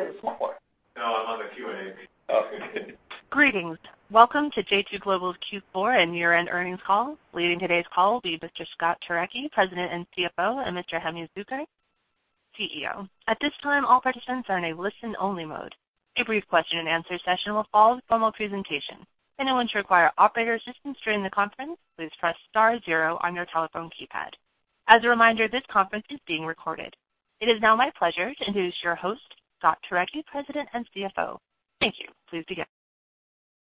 No, I'm on the Q&A. Okay. Greetings. Welcome to j2 Global's Q4 and year-end earnings call. Leading today's call will be Mr. Scott Turicchi, President and CFO, and Mr. Hemi Zucker, CEO. At this time, all participants are in a listen-only mode. A brief question and answer session will follow the formal presentation. Anyone to require operator assistance during the conference, please press star zero on your telephone keypad. As a reminder, this conference is being recorded. It is now my pleasure to introduce your host, Scott Turicchi, President and CFO. Thank you. Please begin.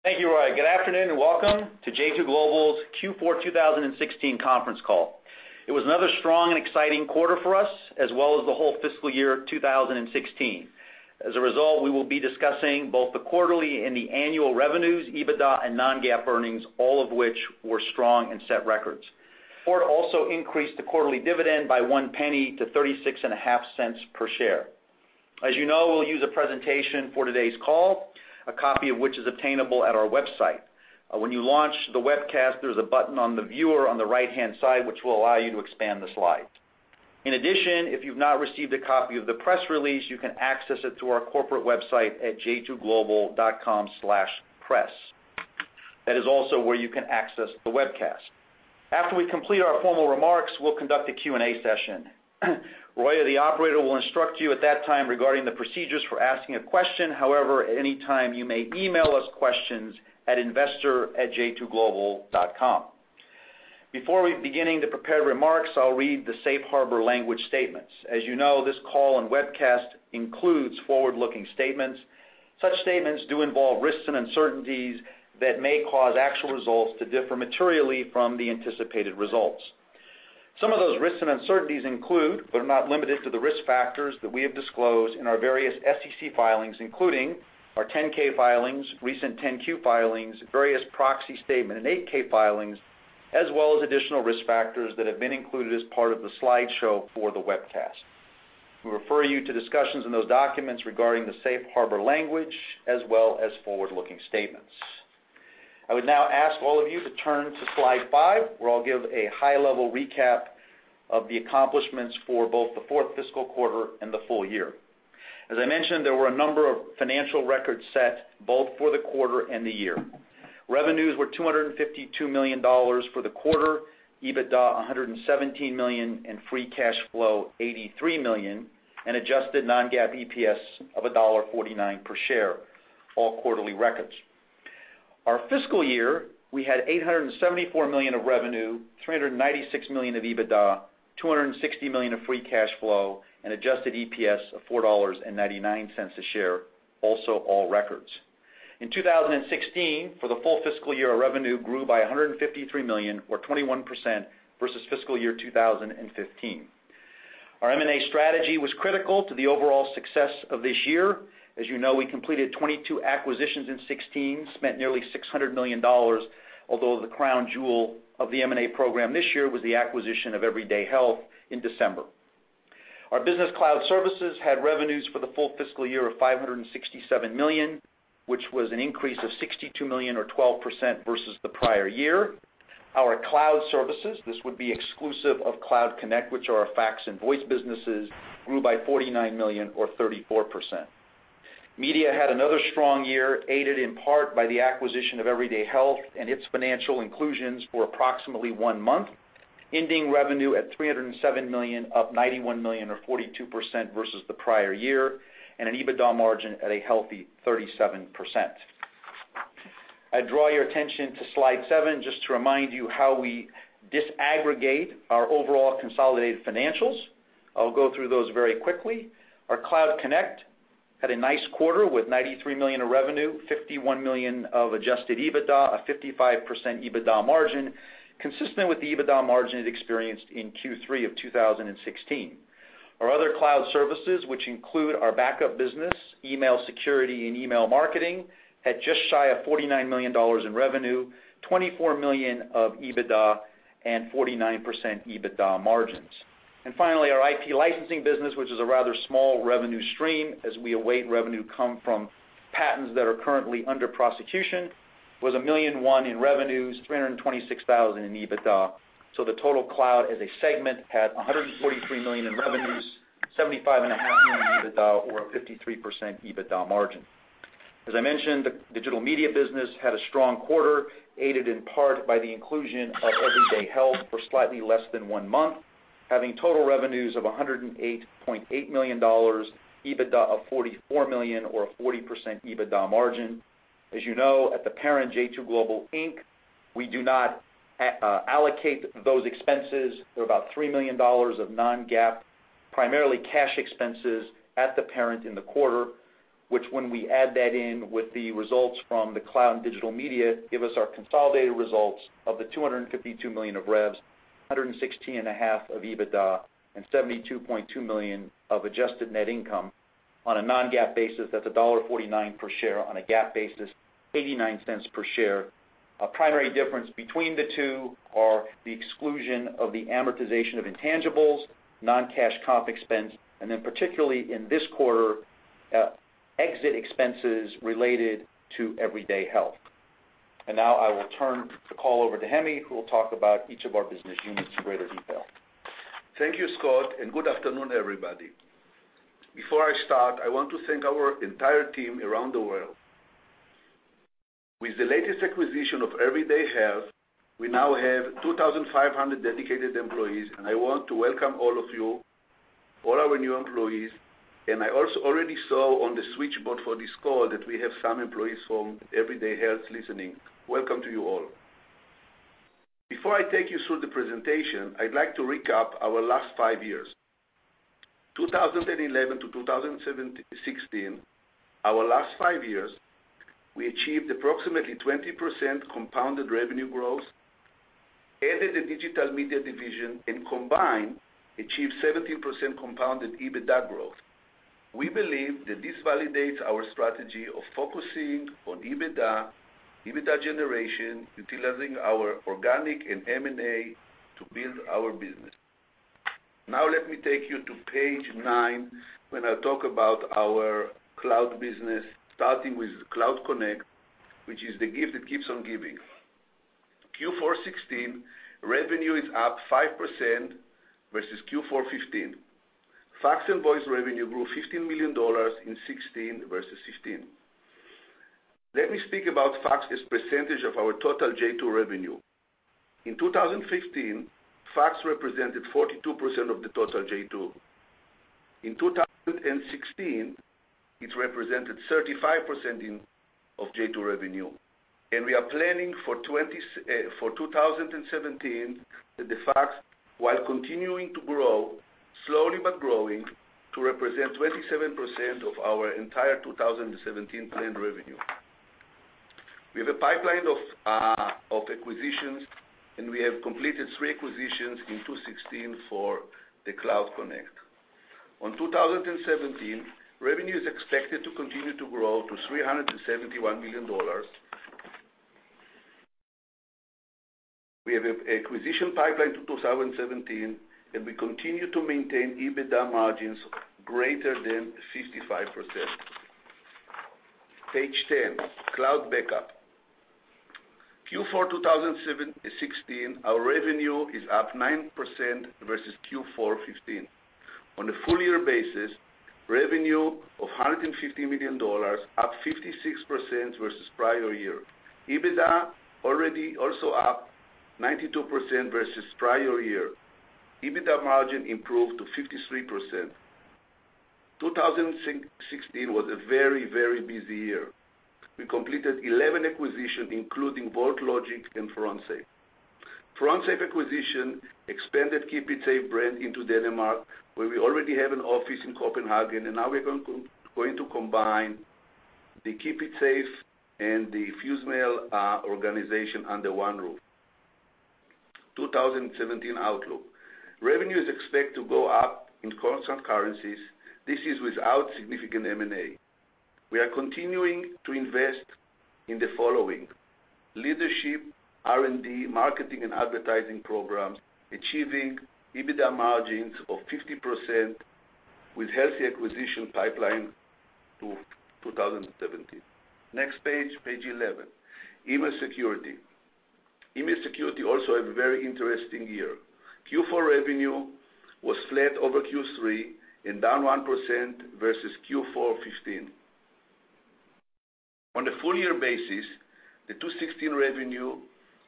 Thank you, Roya. Welcome to j2 Global's Q4 2016 conference call. It was another strong and exciting quarter for us, as well as the whole fiscal year 2016. We will be discussing both the quarterly and the annual revenues, EBITDA, and non-GAAP earnings, all of which were strong and set records. Board also increased the quarterly dividend by $0.01 to $0.365 per share. You know, we'll use a presentation for today's call, a copy of which is attainable at our website. When you launch the webcast, there's a button on the viewer on the right-hand side, which will allow you to expand the slide. If you've not received a copy of the press release, you can access it through our corporate website at j2global.com/press. That is also where you can access the webcast. After we complete our formal remarks, we'll conduct a Q&A session. Roya, the operator, will instruct you at that time regarding the procedures for asking a question. At any time you may email us questions at investor@j2global.com. Before we begin the prepared remarks, I'll read the safe harbor language statements. You know, this call and webcast includes forward-looking statements. Such statements do involve risks and uncertainties that may cause actual results to differ materially from the anticipated results. Some of those risks and uncertainties include, but are not limited to, the risk factors that we have disclosed in our various SEC filings, including our 10-K filings, recent 10-Q filings, various proxy statement, and 8-K filings, as well as additional risk factors that have been included as part of the slideshow for the webcast. We refer you to discussions in those documents regarding the safe harbor language as well as forward-looking statements. I would now ask all of you to turn to slide five, where I'll give a high-level recap of the accomplishments for both the fourth fiscal quarter and the full year. As I mentioned, there were a number of financial records set both for the quarter and the year. Revenues were $252 million for the quarter, EBITDA $117 million, free cash flow $83 million, adjusted non-GAAP EPS of $1.49 per share, all quarterly records. Our fiscal year, we had $874 million of revenue, $396 million of EBITDA, $260 million of free cash flow, adjusted EPS of $4.99 a share, also all records. In 2016, for the full fiscal year, our revenue grew by $153 million or 21% versus fiscal year 2015. Our M&A strategy was critical to the overall success of this year. As you know, we completed 22 acquisitions in 2016, spent nearly $600 million, although the crown jewel of the M&A program this year was the acquisition of Everyday Health in December. Our Business Cloud Services had revenues for the full fiscal year of $567 million, which was an increase of $62 million or 12% versus the prior year. Our cloud services, this would be exclusive of Cloud Connect, which are our fax and voice businesses, grew by $49 million or 34%. Media had another strong year, aided in part by the acquisition of Everyday Health and its financial inclusions for approximately one month, ending revenue at $307 million, up $91 million or 42% versus the prior year, and an EBITDA margin at a healthy 37%. I draw your attention to slide seven just to remind you how we disaggregate our overall consolidated financials. I'll go through those very quickly. Our Cloud Connect had a nice quarter with $93 million of revenue, $51 million of adjusted EBITDA, a 55% EBITDA margin, consistent with the EBITDA margin it experienced in Q3 of 2016. Our other cloud services, which include our backup business, email security, and email marketing, had just shy of $49 million in revenue, $24 million of EBITDA, and 49% EBITDA margins. Finally, our IP licensing business, which is a rather small revenue stream as we await revenue come from patents that are currently under prosecution, was $1.1 million in revenues, $326,000 in EBITDA. The total cloud as a segment had $143 million in revenues, $75.5 million in EBITDA or a 53% EBITDA margin. As I mentioned, the digital media business had a strong quarter, aided in part by the inclusion of Everyday Health for slightly less than one month, having total revenues of $108.8 million, EBITDA of $44 million or a 40% EBITDA margin. As you know, at the parent j2 Global, Inc., we do not allocate those expenses. They're about $3 million of non-GAAP, primarily cash expenses at the parent in the quarter, which when we add that in with the results from the cloud and digital media, give us our consolidated results of the $252 million of revs, $116.5 million of EBITDA, and $72.2 million of adjusted net income on a non-GAAP basis. That's $1.49 per share on a GAAP basis, $0.89 per share. A primary difference between the two are the exclusion of the amortization of intangibles, non-cash comp expense, particularly in this quarter, exit expenses related to Everyday Health. Now I will turn the call over to Hemi, who will talk about each of our business units in greater detail. Thank you, Scott, and good afternoon, everybody. Before I start, I want to thank our entire team around the world. With the latest acquisition of Everyday Health, we now have 2,500 dedicated employees, I want to welcome all of you, all our new employees. I also already saw on the switchboard for this call that we have some employees from Everyday Health listening. Welcome to you all. Before I take you through the presentation, I'd like to recap our last five years. 2011 to 2016, our last five years, we achieved approximately 20% compounded revenue growth, added a digital media division, combined, achieved 17% compounded EBITDA growth. We believe that this validates our strategy of focusing on EBITDA generation, utilizing our organic and M&A to build our business. Now let me take you to page nine, when I talk about our cloud business, starting with Cloud Connect, which is the gift that keeps on giving. Q4 2016, revenue is up 5% versus Q4 2015. Fax and voice revenue grew $15 million in 2016 versus 2015. Let me speak about fax as percentage of our total j2 revenue. In 2015, fax represented 42% of the total j2. In 2016, it represented 35% of j2 revenue. We are planning for 2017 that the fax, while continuing to grow, slowly but growing, to represent 27% of our entire 2017 planned revenue. We have a pipeline of acquisitions, we have completed three acquisitions in 2016 for the Cloud Connect. On 2017, revenue is expected to continue to grow to $371 million. We have an acquisition pipeline to 2017, we continue to maintain EBITDA margins greater than 65%. Page 10, Cloud Backup. Q4 2016, our revenue is up 9% versus Q4 2015. On a full-year basis, revenue of $150 million, up 56% versus prior year. EBITDA also up 92% versus prior year. EBITDA margin improved to 53%. 2016 was a very busy year. We completed 11 acquisition, including VaultLogix and Frontsafe. Frontsafe acquisition expanded KeepItSafe brand into Denmark, where we already have an office in Copenhagen, now we're going to combine the KeepItSafe and the FuseMail organization under one roof. 2017 outlook. Revenue is expected to go up in constant currencies. This is without significant M&A. We are continuing to invest in the following: leadership, R&D, marketing, and advertising programs, achieving EBITDA margins of 50% with healthy acquisition pipeline to 2017. Next page 11. Email Security. Email Security also had a very interesting year. Q4 revenue was flat over Q3 and down 1% versus Q4 2015. On a full-year basis, the 2016 revenue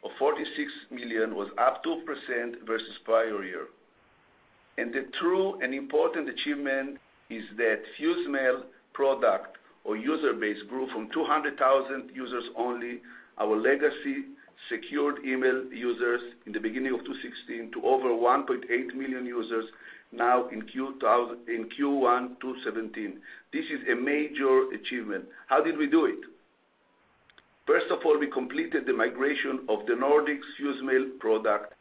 of $46 million was up 2% versus prior year. The true and important achievement is that FuseMail product or user base grew from 200,000 users only, our legacy secured email users in the beginning of 2016, to over 1.8 million users now in Q1 2017. This is a major achievement. How did we do it? First of all, we completed the migration of the Nordics FuseMail product,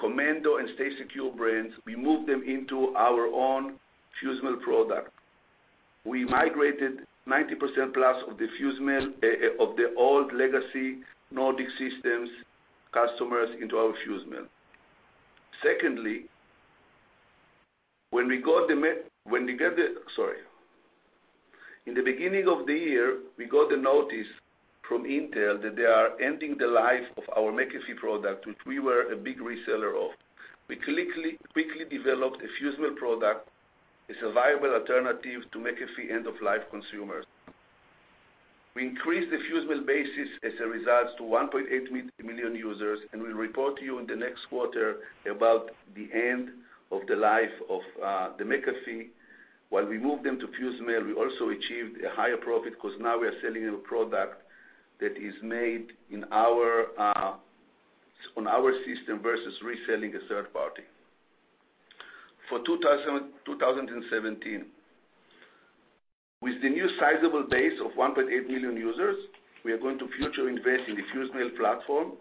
Commando and StaySecure brands. We moved them into our own FuseMail product. We migrated 90% plus of the old legacy Nordic systems customers into our FuseMail. Secondly, in the beginning of the year, we got a notice from Intel that they are ending the life of our McAfee product, which we were a big reseller of. We quickly developed a FuseMail product, as a viable alternative to McAfee end-of-life consumers. We increased the FuseMail base as a result to 1.8 million users. We'll report to you in the next quarter about the end of the life of the McAfee. While we moved them to FuseMail, we also achieved a higher profit because now we are selling a product that is made on our system versus reselling a third party. For 2017, with the new sizable base of 1.8 million users, we are going to future invest in the FuseMail platform.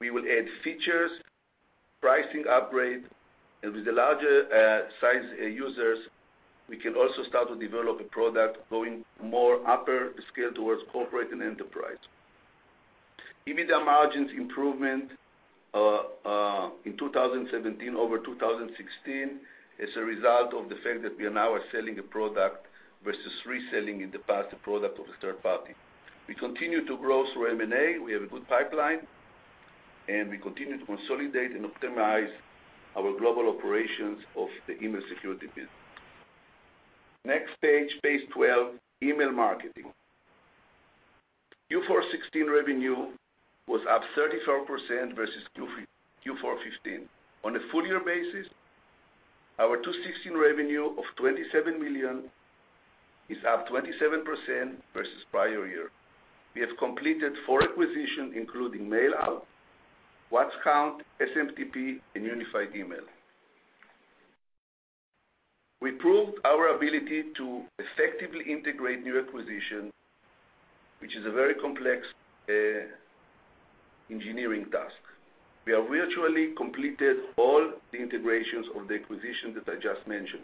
We will add features, pricing upgrade. With the larger size users, we can also start to develop a product going more upper scale towards corporate and enterprise. EBITDA margins improvement in 2017 over 2016 is a result of the fact that we now are selling a product versus reselling, in the past, a product of a third party. We continue to grow through M&A. We have a good pipeline. We continue to consolidate and optimize our global operations of the email security business. Next page 12, email marketing. Q4 2016 revenue was up 34% versus Q4 2015. On a full-year basis, our 2016 revenue of $27 million is up 27% versus prior year. We have completed four acquisitions, including MailOut, WhatCounts, SMTP, and Unified Email. We proved our ability to effectively integrate new acquisitions, which is a very complex engineering task. We have virtually completed all the integrations of the acquisitions that I just mentioned.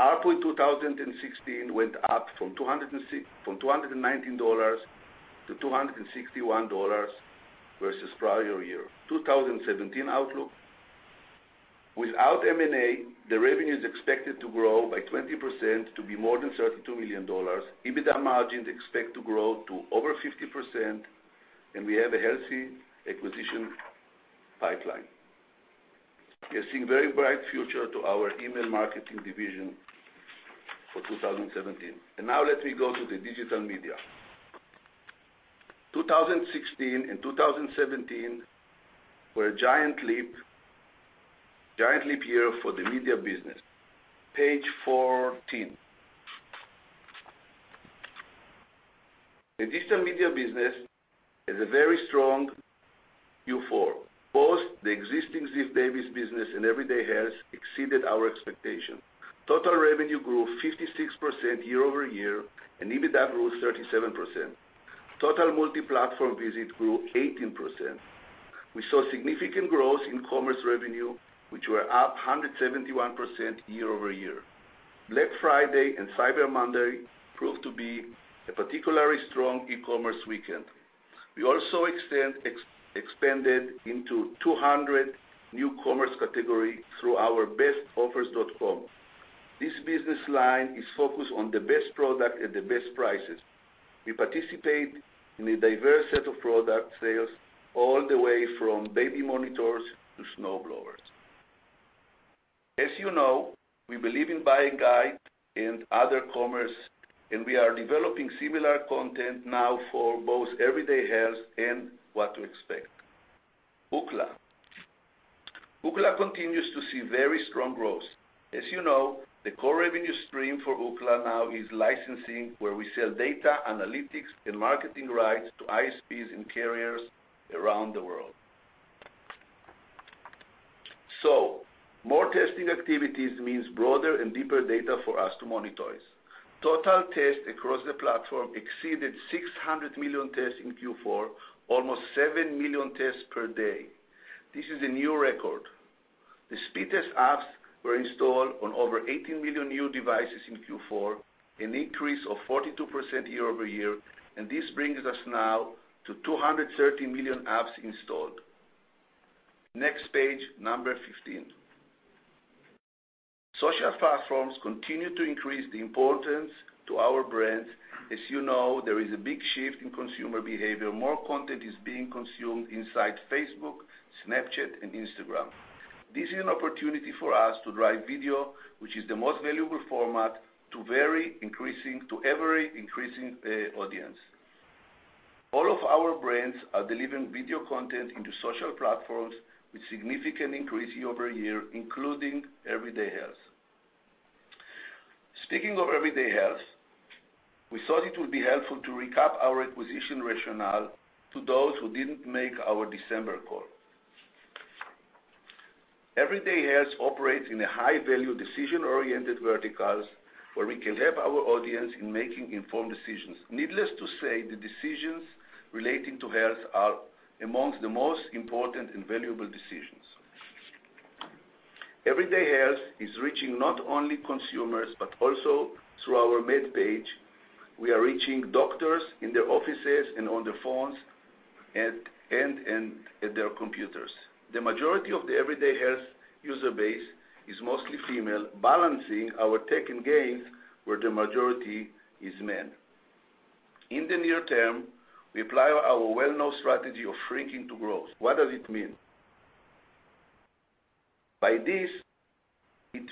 ARPU 2016 went up from $219 to $261 versus prior year. 2017 outlook. Without M&A, the revenue is expected to grow by 20% to be more than $32 million. EBITDA margin is expected to grow to over 50%. We have a healthy acquisition pipeline. We are seeing very bright future to our email marketing division for 2017. Now let me go to the digital media. 2016 and 2017 were a giant leap year for the media business. Page 14. The digital media business has a very strong Q4. Both the existing Ziff Davis business and Everyday Health exceeded our expectation. Total revenue grew 56% year-over-year. EBITDA grew 37%. Total multi-platform visits grew 18%. We saw significant growth in commerce revenue, which were up 171% year-over-year. Black Friday and Cyber Monday proved to be a particularly strong e-commerce weekend. We also expanded into 200 new commerce category through our bestoffers.com. This business line is focused on the best product at the best prices. We participate in a diverse set of product sales, all the way from baby monitors to snowblowers. As you know, we believe in buying guide and other commerce, and we are developing similar content now for both Everyday Health and What to Expect. Ookla. Ookla continues to see very strong growth. As you know, the core revenue stream for Ookla now is licensing, where we sell data analytics and marketing rights to ISPs and carriers around the world. More testing activities means broader and deeper data for us to monetize. Total tests across the platform exceeded 600 million tests in Q4, almost 7 million tests per day. This is a new record. The Speedtest apps were installed on over 18 million new devices in Q4, an increase of 42% year-over-year, this brings us now to 230 million apps installed. Next page 15. Social platforms continue to increase the importance to our brands. As you know, there is a big shift in consumer behavior. More content is being consumed inside Facebook, Snapchat, and Instagram. This is an opportunity for us to drive video, which is the most valuable format, to every increasing audience. All of our brands are delivering video content into social platforms with significant increase year-over-year, including Everyday Health. Speaking of Everyday Health, we thought it would be helpful to recap our acquisition rationale to those who didn't make our December call. Everyday Health operates in a high-value, decision-oriented verticals where we can help our audience in making informed decisions. Needless to say, the decisions relating to health are amongst the most important and valuable decisions. Everyday Health is reaching not only consumers but also through our MedPage, we are reaching doctors in their offices and on their phones and their computers. The majority of the Everyday Health user base is mostly female, balancing our tech and games, where the majority is men. In the near term, we apply our well-known strategy of shrinking to growth. What does it mean? It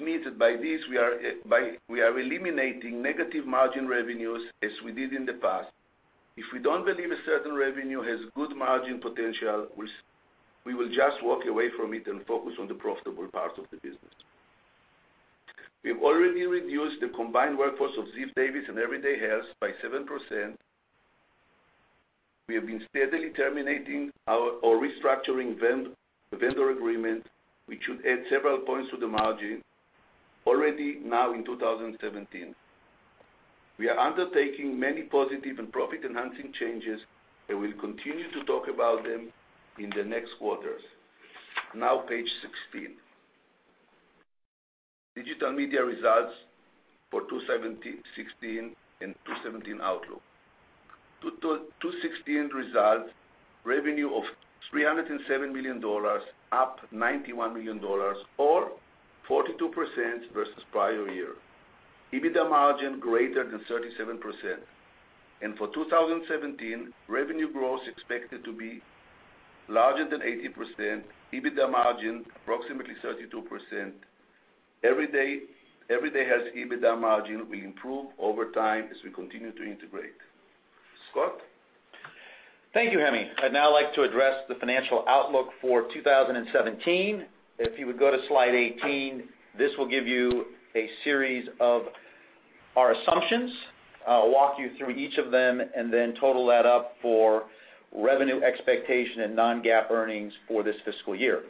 means that by this, we are eliminating negative margin revenues as we did in the past. If we don't believe a certain revenue has good margin potential, we will just walk away from it and focus on the profitable part of the business. We have already reduced the combined workforce of Ziff Davis and Everyday Health by 7%. We have been steadily terminating or restructuring vendor agreements, which should add several points to the margin already now in 2017. We are undertaking many positive and profit-enhancing changes, we'll continue to talk about them in the next quarters. Now, page 16. Digital media results for 2016 and 2017 outlook. 2016 results, revenue of $307 million, up $91 million or 42% versus prior year. EBITDA margin greater than 37%. For 2017, revenue growth expected to be larger than 80%, EBITDA margin approximately 32%. Everyday Health EBITDA margin will improve over time as we continue to integrate. Scott? Thank you, Hemi. I'd now like to address the financial outlook for 2017. If you would go to slide 18, this will give you a series of our assumptions. I'll walk you through each of them and then total that up for revenue expectation and non-GAAP earnings for this fiscal year.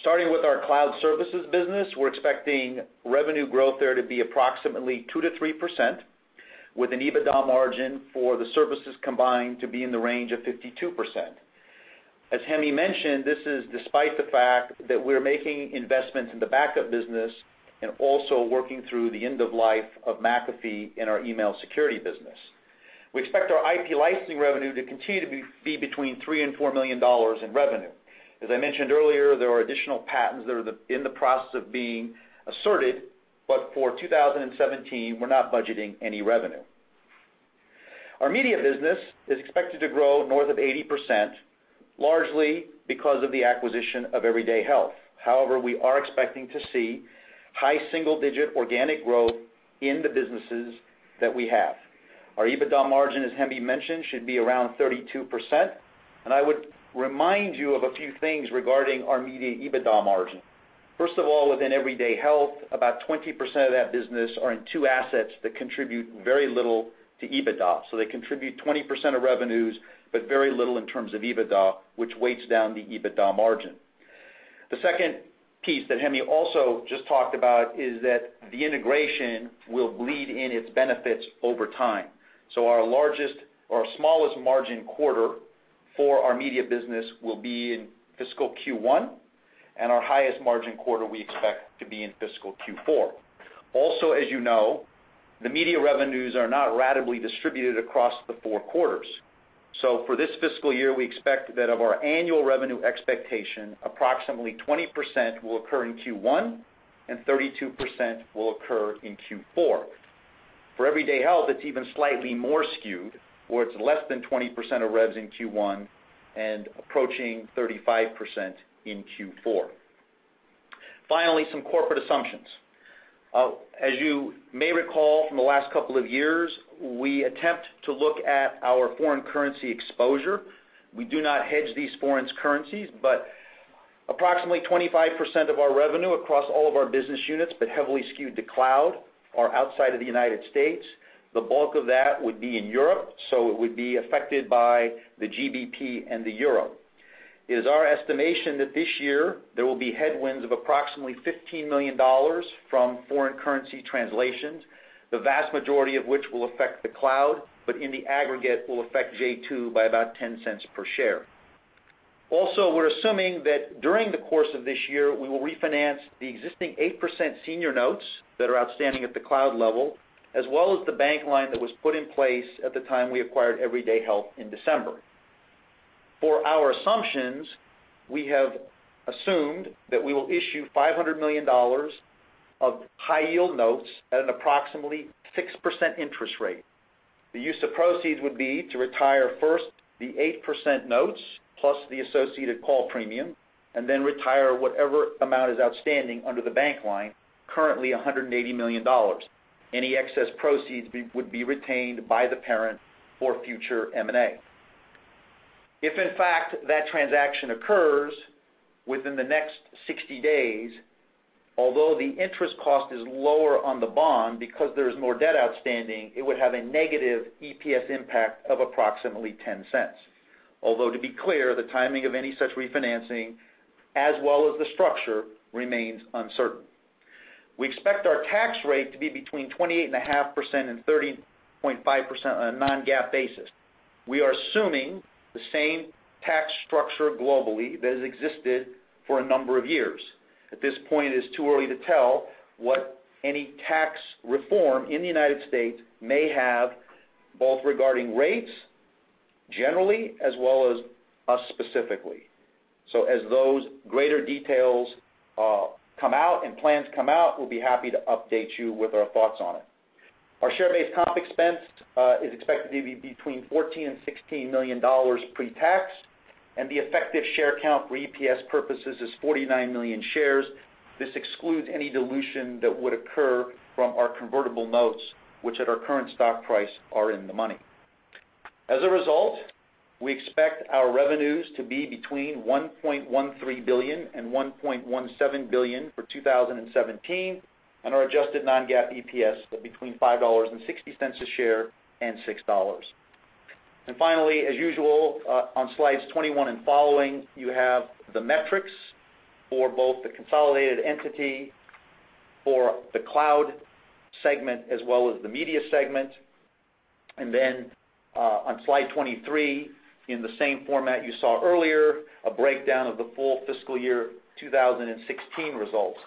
Starting with our cloud services business, we're expecting revenue growth there to be approximately 2%-3%, with an EBITDA margin for the services combined to be in the range of 52%. As Hemi mentioned, this is despite the fact that we're making investments in the backup business and also working through the end of life of McAfee in our email security business. We expect our IP licensing revenue to continue to be between $3 million and $4 million in revenue. As I mentioned earlier, there are additional patents that are in the process of being asserted, for 2017, we're not budgeting any revenue. Our media business is expected to grow north of 80%, largely because of the acquisition of Everyday Health. However, we are expecting to see high single-digit organic growth in the businesses that we have. Our EBITDA margin, as Hemi mentioned, should be around 32%. I would remind you of a few things regarding our media EBITDA margin. First of all, within Everyday Health, about 20% of that business are in two assets that contribute very little to EBITDA. They contribute 20% of revenues, but very little in terms of EBITDA, which weights down the EBITDA margin. The second piece that Hemi also just talked about is that the integration will bleed in its benefits over time. Our smallest margin quarter for our media business will be in fiscal Q1, and our highest margin quarter we expect to be in fiscal Q4. As you know, the media revenues are not ratably distributed across the four quarters. For this fiscal year, we expect that of our annual revenue expectation, approximately 20% will occur in Q1, and 32% will occur in Q4. For Everyday Health, it's even slightly more skewed, where it's less than 20% of revs in Q1, and approaching 35% in Q4. Finally, some corporate assumptions. As you may recall from the last couple of years, we attempt to look at our foreign currency exposure. We do not hedge these foreign currencies, but approximately 25% of our revenue across all of our business units, but heavily skewed to cloud, are outside of the U.S. The bulk of that would be in Europe, it would be affected by the GBP and the EUR. It is our estimation that this year there will be headwinds of approximately $15 million from foreign currency translations, the vast majority of which will affect the cloud, but in the aggregate will affect J2 by about $0.10 per share. We're assuming that during the course of this year, we will refinance the existing 8% senior notes that are outstanding at the cloud level, as well as the bank line that was put in place at the time we acquired Everyday Health in December. For our assumptions, we have assumed that we will issue $500 million of high-yield notes at an approximately 6% interest rate. The use of proceeds would be to retire first the 8% notes plus the associated call premium, then retire whatever amount is outstanding under the bank line, currently $180 million. Any excess proceeds would be retained by the parent for future M&A. If in fact that transaction occurs within the next 60 days, although the interest cost is lower on the bond because there is more debt outstanding, it would have a negative EPS impact of approximately $0.10. Although to be clear, the timing of any such refinancing as well as the structure remains uncertain. We expect our tax rate to be between 28.5%-30.5% on a non-GAAP basis. We are assuming the same tax structure globally that has existed for a number of years. At this point, it is too early to tell what any tax reform in the United States may have, both regarding rates generally as well as us specifically. As those greater details come out and plans come out, we'll be happy to update you with our thoughts on it. Our share-based comp expense is expected to be between $14 million-$16 million pre-tax, and the effective share count for EPS purposes is 49 million shares. This excludes any dilution that would occur from our convertible notes, which at our current stock price are in the money. As a result, we expect our revenues to be between $1.13 billion-$1.17 billion for 2017, and our adjusted non-GAAP EPS of between $5.60 a share and $6. Finally, as usual, on slides 21 and following, you have the metrics for both the consolidated entity for the cloud segment as well as the media segment. On slide 23, in the same format you saw earlier, a breakdown of the full fiscal year 2016 results.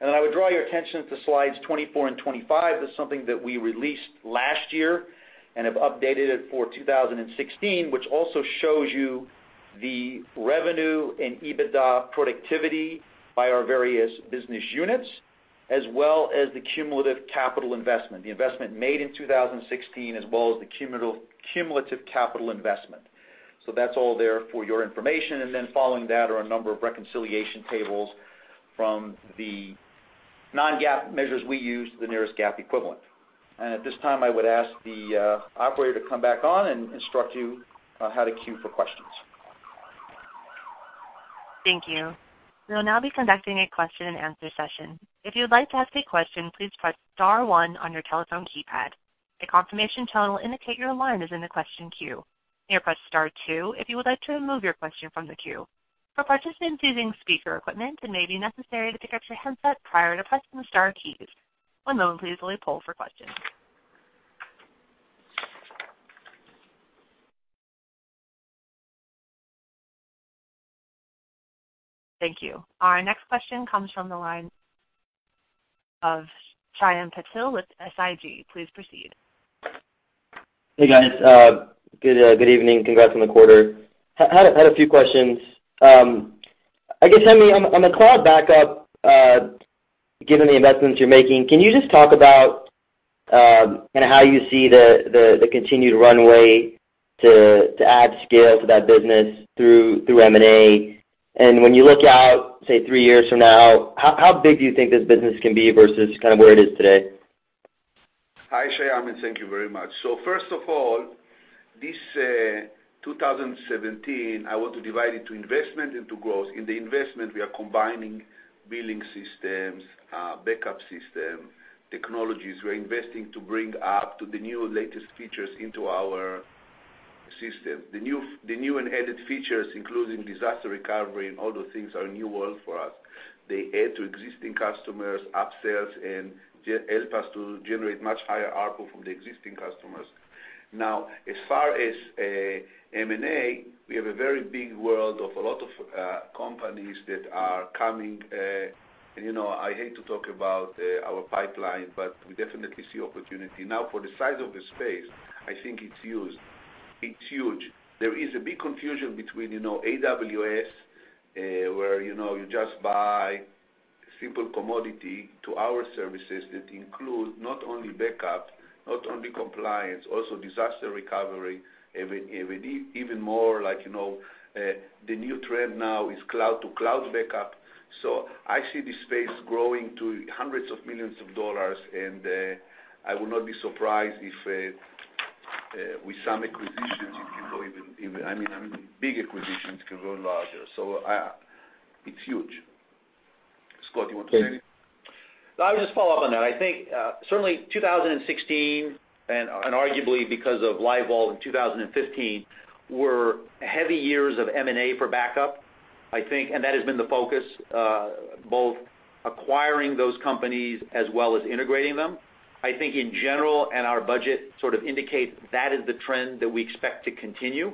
Then I would draw your attention to slides 24 and 25. That's something that we released last year and have updated it for 2016, which also shows you the revenue and EBITDA productivity by our various business units, as well as the cumulative capital investment, the investment made in 2016, as well as the cumulative capital investment. So that's all there for your information. Then following that are a number of reconciliation tables from the non-GAAP measures we use, the nearest GAAP equivalent. At this time, I would ask the operator to come back on and instruct you on how to queue for questions. Thank you. We will now be conducting a question and answer session. If you would like to ask a question, please press star one on your telephone keypad. A confirmation tone will indicate your line is in the question queue. You may press star two if you would like to remove your question from the queue. For participants using speaker equipment, it may be necessary to pick up your handset prior to pressing the star keys. One moment please while we poll for questions. Thank you. Our next question comes from the line of Shyam Patil with SIG. Please proceed. Hey, guys. Good evening. Congrats on the quarter. Had a few questions. I guess, Hemi, on the cloud backup, given the investments you're making, can you just talk about how you see the continued runway to add scale to that business through M&A? And when you look out, say, three years from now, how big do you think this business can be versus kind of where it is today? Hi, Shyam, and thank you very much. First of all, this 2017, I want to divide it to investment and to growth. In the investment, we are combining billing systems, backup system, technologies. We're investing to bring up to the new latest features into our system. The new and added features, including disaster recovery and all those things, are new world for us. They add to existing customers, upsells, and help us to generate much higher ARPU from the existing customers. As far as M&A, we have a very big world of a lot of companies that are coming. I hate to talk about our pipeline, but we definitely see opportunity. For the size of the space, I think it's huge. There is a big confusion between AWS, where you just buy simple commodity to our services that include not only backup, not only compliance, also disaster recovery, even more like, the new trend now is cloud-to-cloud backup. I see the space growing to hundreds of millions of dollars, and I would not be surprised if with some acquisitions, it can go even, I mean, big acquisitions can grow larger. It's huge. Scott, you want to say anything? I would just follow up on that. I think, certainly 2016, and arguably because of LiveVault in 2015, were heavy years of M&A for backup, I think, and that has been the focus, both acquiring those companies as well as integrating them. I think in general, and our budget sort of indicates, that is the trend that we expect to continue.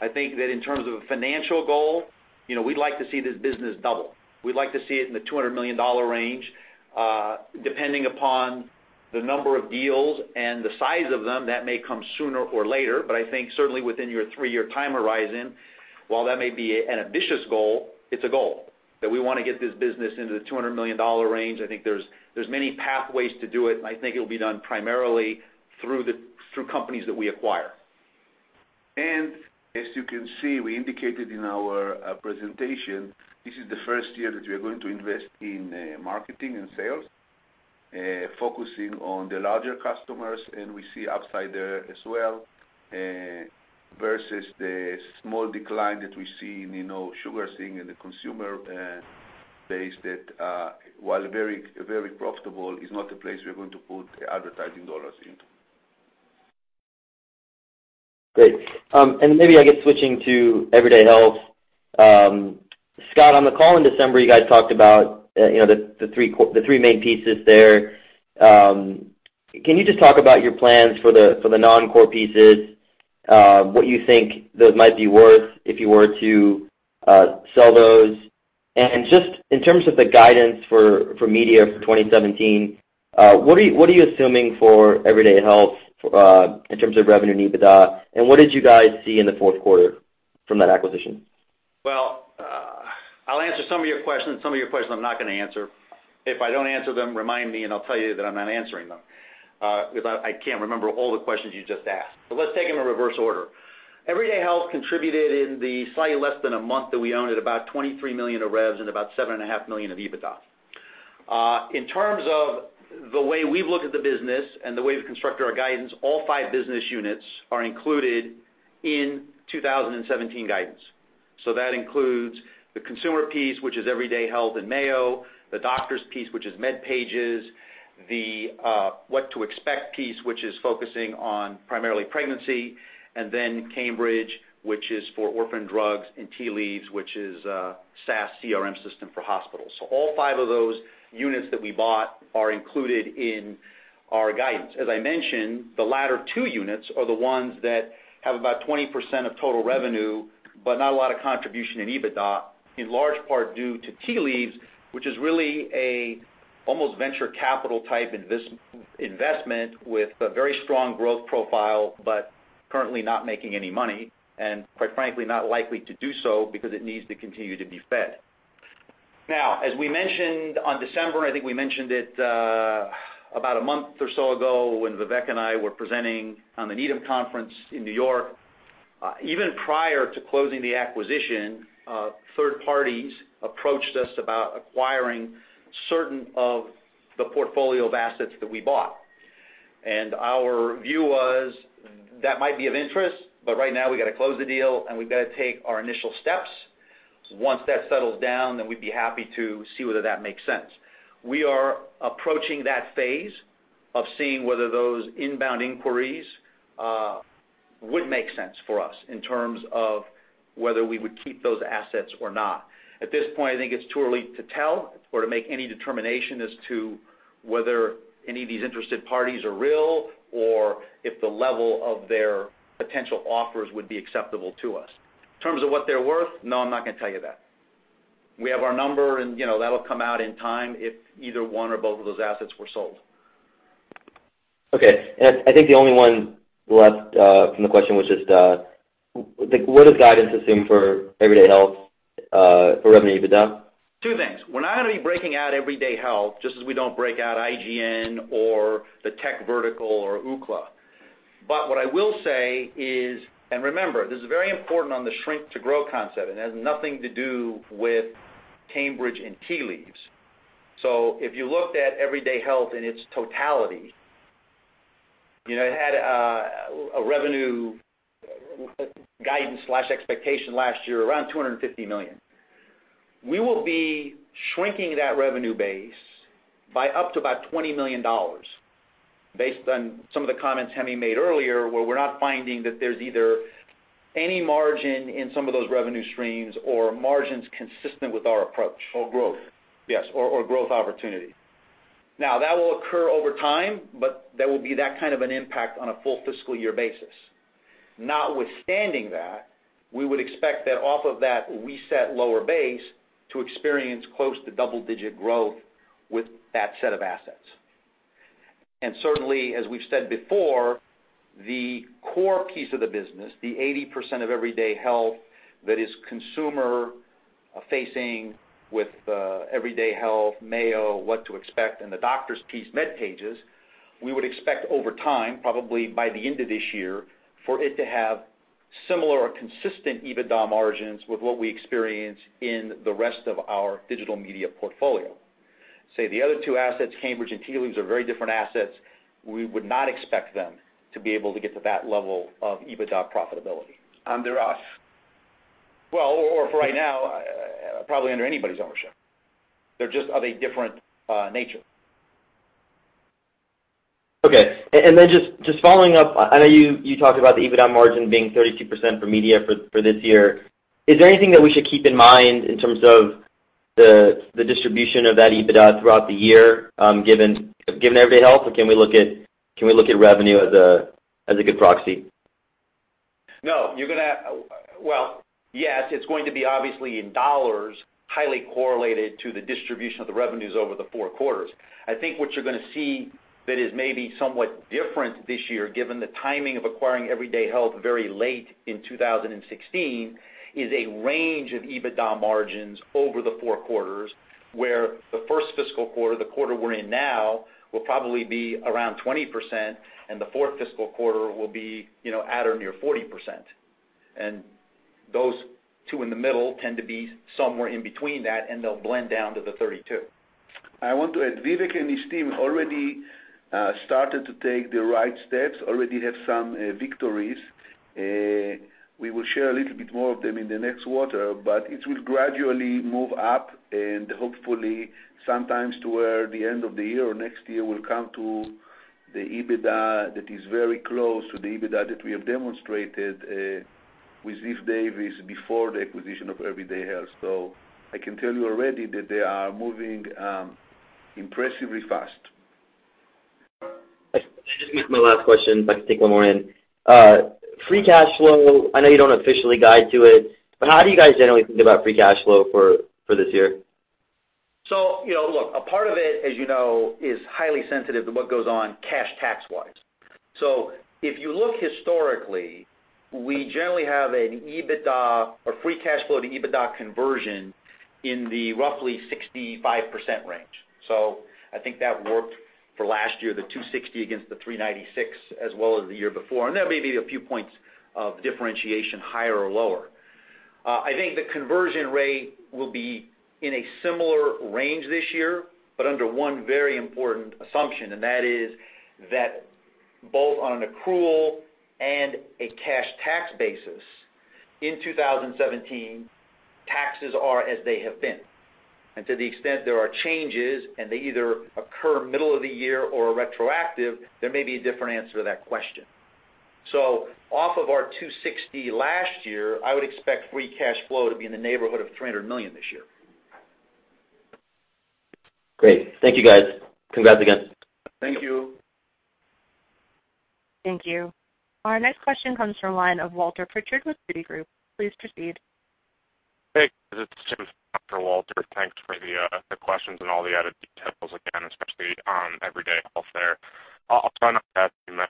I think that in terms of a financial goal, we'd like to see this business double. We'd like to see it in the $200 million range. Depending upon the number of deals and the size of them, that may come sooner or later, but I think certainly within your three-year time horizon, while that may be an ambitious goal, it's a goal, that we want to get this business into the $200 million range. I think there's many pathways to do it, and I think it'll be done primarily through companies that we acquire. As you can see, we indicated in our presentation, this is the first year that we are going to invest in marketing and sales, focusing on the larger customers, and we see upside there as well, versus the small decline that we see in SugarSync in the consumer base that, while very profitable, is not the place we're going to put advertising dollars into. Great. Maybe, I guess, switching to Everyday Health. Scott, on the call in December, you guys talked about the three main pieces there. Can you just talk about your plans for the non-core pieces, what you think those might be worth if you were to sell those? Just in terms of the guidance for media for 2017, what are you assuming for Everyday Health in terms of revenue and EBITDA, and what did you guys see in the fourth quarter from that acquisition? Well, I'll answer some of your questions. Some of your questions I'm not going to answer. If I don't answer them, remind me and I'll tell you that I'm not answering them, because I can't remember all the questions you just asked. Let's take them in reverse order. Everyday Health contributed in the slightly less than a month that we owned it, about $23 million of revs and about $7.5 million of EBITDA. In terms of the way we've looked at the business and the way we've constructed our guidance, all five business units are included in 2017 guidance. That includes the consumer piece, which is Everyday Health and Mayo, the doctors piece, which is MedPage Today, The What to Expect piece, which is focusing on primarily pregnancy, and then Cambridge, which is for orphan drugs, and Tea Leaves, which is a SaaS CRM system for hospitals. All five of those units that we bought are included in our guidance. As I mentioned, the latter two units are the ones that have about 20% of total revenue, but not a lot of contribution in EBITDA, in large part due to Tea Leaves, which is really a almost venture capital-type investment with a very strong growth profile, but currently not making any money, and quite frankly, not likely to do so because it needs to continue to be fed. As we mentioned on December, I think we mentioned it about a month or so ago when Vivek and I were presenting on the Needham conference in New York. Even prior to closing the acquisition, third parties approached us about acquiring certain of the portfolio of assets that we bought. Our view was that might be of interest, but right now we've got to close the deal and we've got to take our initial steps. Once that settles down, we'd be happy to see whether that makes sense. We are approaching that phase of seeing whether those inbound inquiries would make sense for us in terms of whether we would keep those assets or not. At this point, I think it's too early to tell or to make any determination as to whether any of these interested parties are real or if the level of their potential offers would be acceptable to us. In terms of what they're worth, no, I'm not going to tell you that. We have our number and that'll come out in time if either one or both of those assets were sold. Okay. I think the only one left from the question was just what is guidance assuming for Everyday Health for revenue EBITDA? Two things. We're not going to be breaking out Everyday Health just as we don't break out IGN or the tech vertical or Ookla. What I will say is, and remember, this is very important on the shrink to grow concept. It has nothing to do with Cambridge and Tea Leaves. If you looked at Everyday Health in its totality, it had a revenue guidance/expectation last year around $250 million. We will be shrinking that revenue base by up to about $20 million based on some of the comments Hemi made earlier, where we're not finding that there's either any margin in some of those revenue streams or margins consistent with our approach. Growth. Yes. Growth opportunity. That will occur over time, but there will be that kind of an impact on a full fiscal year basis. Notwithstanding that, we would expect that off of that reset lower base to experience close to double-digit growth with that set of assets. Certainly, as we've said before, the core piece of the business, the 80% of Everyday Health that is consumer-facing with Everyday Health, Mayo Clinic, What to Expect, and the doctors piece, MedPage Today, we would expect over time, probably by the end of this year, for it to have similar or consistent EBITDA margins with what we experience in the rest of our digital media portfolio. Say the other two assets, Cambridge BioMarketing and Tea Leaves Health, are very different assets. We would not expect them to be able to get to that level of EBITDA profitability. Under us. Or for right now, probably under anybody's ownership. They're just of a different nature. Okay. Just following up, I know you talked about the EBITDA margin being 32% for media for this year. Is there anything that we should keep in mind in terms of the distribution of that EBITDA throughout the year given Everyday Health? Or can we look at revenue as a good proxy? No. Yes, it's going to be obviously in dollars, highly correlated to the distribution of the revenues over the four quarters. I think what you're going to see that is maybe somewhat different this year, given the timing of acquiring Everyday Health very late in 2016, is a range of EBITDA margins over the four quarters, where the first fiscal quarter, the quarter we're in now, will probably be around 20%, and the fourth fiscal quarter will be at or near 40%. Those two in the middle tend to be somewhere in between that, and they'll blend down to the 32. I want to add, Vivek and his team already started to take the right steps, already have some victories. We will share a little bit more of them in the next quarter, but it will gradually move up and hopefully sometimes toward the end of the year or next year will come to the EBITDA that is very close to the EBITDA that we have demonstrated with Ziff Davis before the acquisition of Everyday Health. I can tell you already that they are moving impressively fast. I think this is my last question, if I can take one more in. Free cash flow, I know you don't officially guide to it, but how do you guys generally think about free cash flow for this year? Look, a part of it, as you know, is highly sensitive to what goes on cash tax-wise. If you look historically, we generally have an EBITDA or free cash flow to EBITDA conversion in the roughly 65% range. I think that worked for last year, the $260 against the $396, as well as the year before. There may be a few points of differentiation higher or lower. I think the conversion rate will be in a similar range this year, but under one very important assumption, and that is that both on an accrual and a cash tax basis in 2017 taxes are as they have been. To the extent there are changes and they either occur middle of the year or are retroactive, there may be a different answer to that question. Off of our $260 last year, I would expect free cash flow to be in the neighborhood of $300 million this year. Great. Thank you, guys. Congrats again. Thank you. Thank you. Our next question comes from the line of Walter Pritchard with Citigroup. Please proceed. Hey, it's Jim, for Walter. Thanks for the questions and all the added details again, especially on Everyday Health there. I'll try not to ask too many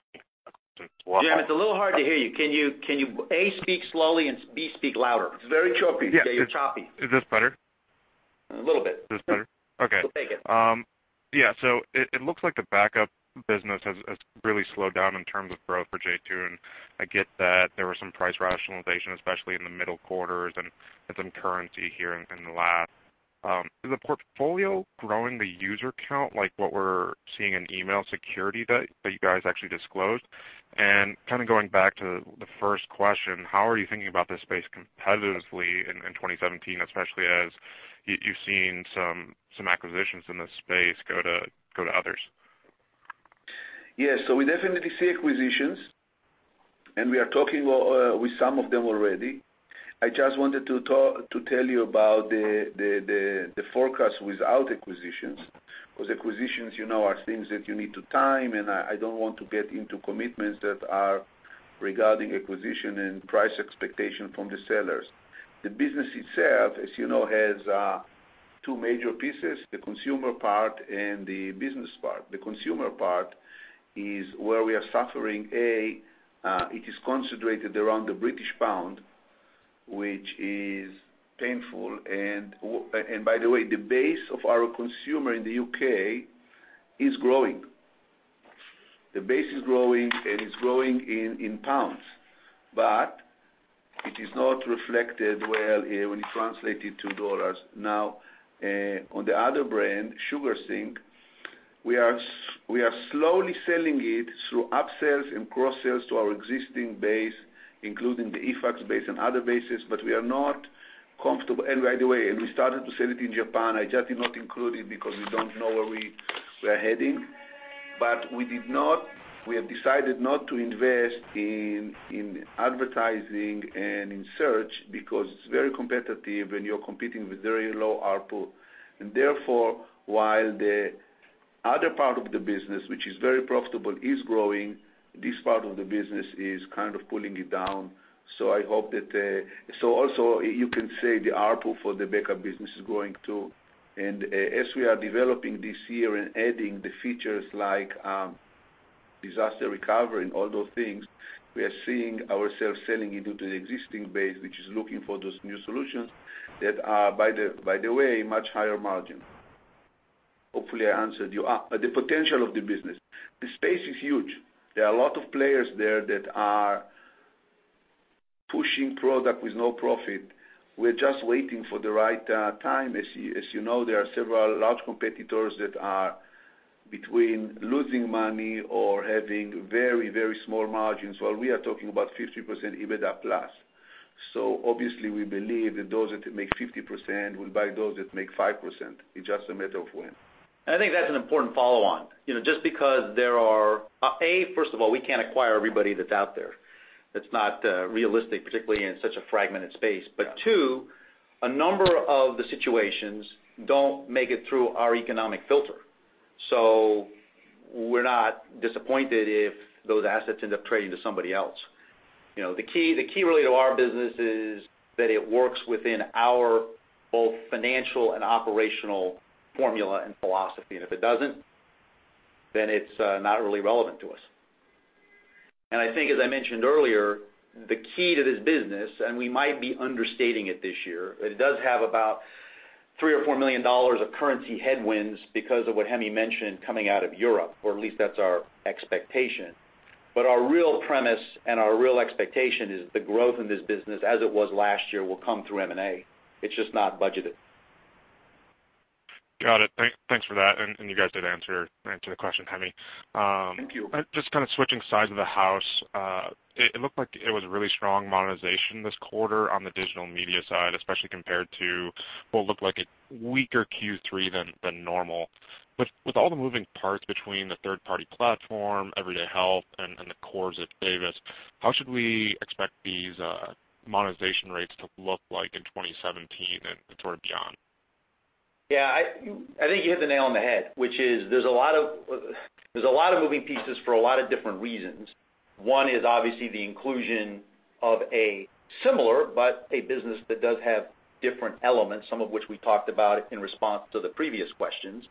questions. Jim, it's a little hard to hear you. Can you, A, speak slowly and, B, speak louder? It's very choppy. Yeah, you're choppy. Is this better? A little bit. Is this better? We'll take it. Okay. Yeah. It looks like the backup business has really slowed down in terms of growth for j2 Global, and I get that there was some price rationalization, especially in the middle quarters, and some currency here in the last. Is the portfolio growing the user count, like what we're seeing in email security that you guys actually disclosed? Kind of going back to the first question, how are you thinking about this space competitively in 2017, especially as you've seen some acquisitions in this space go to others? Yeah. We definitely see acquisitions, and we are talking with some of them already. I just wanted to tell you about the forecast without acquisitions. Acquisitions are things that you need to time, and I don't want to get into commitments that are regarding acquisition and price expectation from the sellers. The business itself, as you know, has two major pieces, the consumer part and the business part. The consumer part is where we are suffering. A, it is concentrated around the British pound, which is painful. By the way, the base of our consumer in the U.K. is growing. The base is growing, and it's growing in pounds, but it is not reflected well when you translate it to dollars. On the other brand, SugarSync, we are slowly selling it through upsells and cross-sales to our existing base, including the eFax base and other bases, but we are not comfortable. By the way, we started to sell it in Japan, I just did not include it because we don't know where we are heading. We have decided not to invest in advertising and in search because it's very competitive, and you're competing with very low ARPU. Therefore, while the other part of the business, which is very profitable, is growing, this part of the business is kind of pulling it down. Also, you can say the ARPU for the backup business is growing, too. As we are developing this year and adding the features like disaster recovery and all those things, we are seeing ourselves selling into the existing base, which is looking for those new solutions that are, by the way, much higher margin. Hopefully, I answered you. The potential of the business. The space is huge. There are a lot of players there that are pushing product with no profit. We are just waiting for the right time. As you know, there are several large competitors that are between losing money or having very, very small margins. While we are talking about 50% EBITDA plus. Obviously, we believe that those that make 50% will buy those that make 5%. It is just a matter of when. I think that's an important follow-on. Just because there are, A, first of all, we can't acquire everybody that's out there. That's not realistic, particularly in such a fragmented space. Two, a number of the situations don't make it through our economic filter. We are not disappointed if those assets end up trading to somebody else. The key really to our business is that it works within our both financial and operational formula and philosophy. If it doesn't, then it's not really relevant to us. I think, as I mentioned earlier, the key to this business, and we might be understating it this year, but it does have about $3 million or $4 million of currency headwinds because of what Hemi mentioned coming out of Europe, or at least that's our expectation. Our real premise and our real expectation is the growth in this business as it was last year will come through M&A. It's just not budgeted. Got it. Thanks for that. You guys did answer the question, Hemi. Thank you. Just kind of switching sides of the house. It looked like it was a really strong monetization this quarter on the digital media side, especially compared to what looked like a weaker Q3 than normal. With all the moving parts between the third-party platform, Everyday Health, and the cores at Ziff Davis, how should we expect these monetization rates to look like in 2017 and sort of beyond? Yeah. I think you hit the nail on the head, which is there's a lot of moving pieces for a lot of different reasons. One is obviously the inclusion of a similar, but a business that does have different elements, some of which we talked about in response to the previous questions.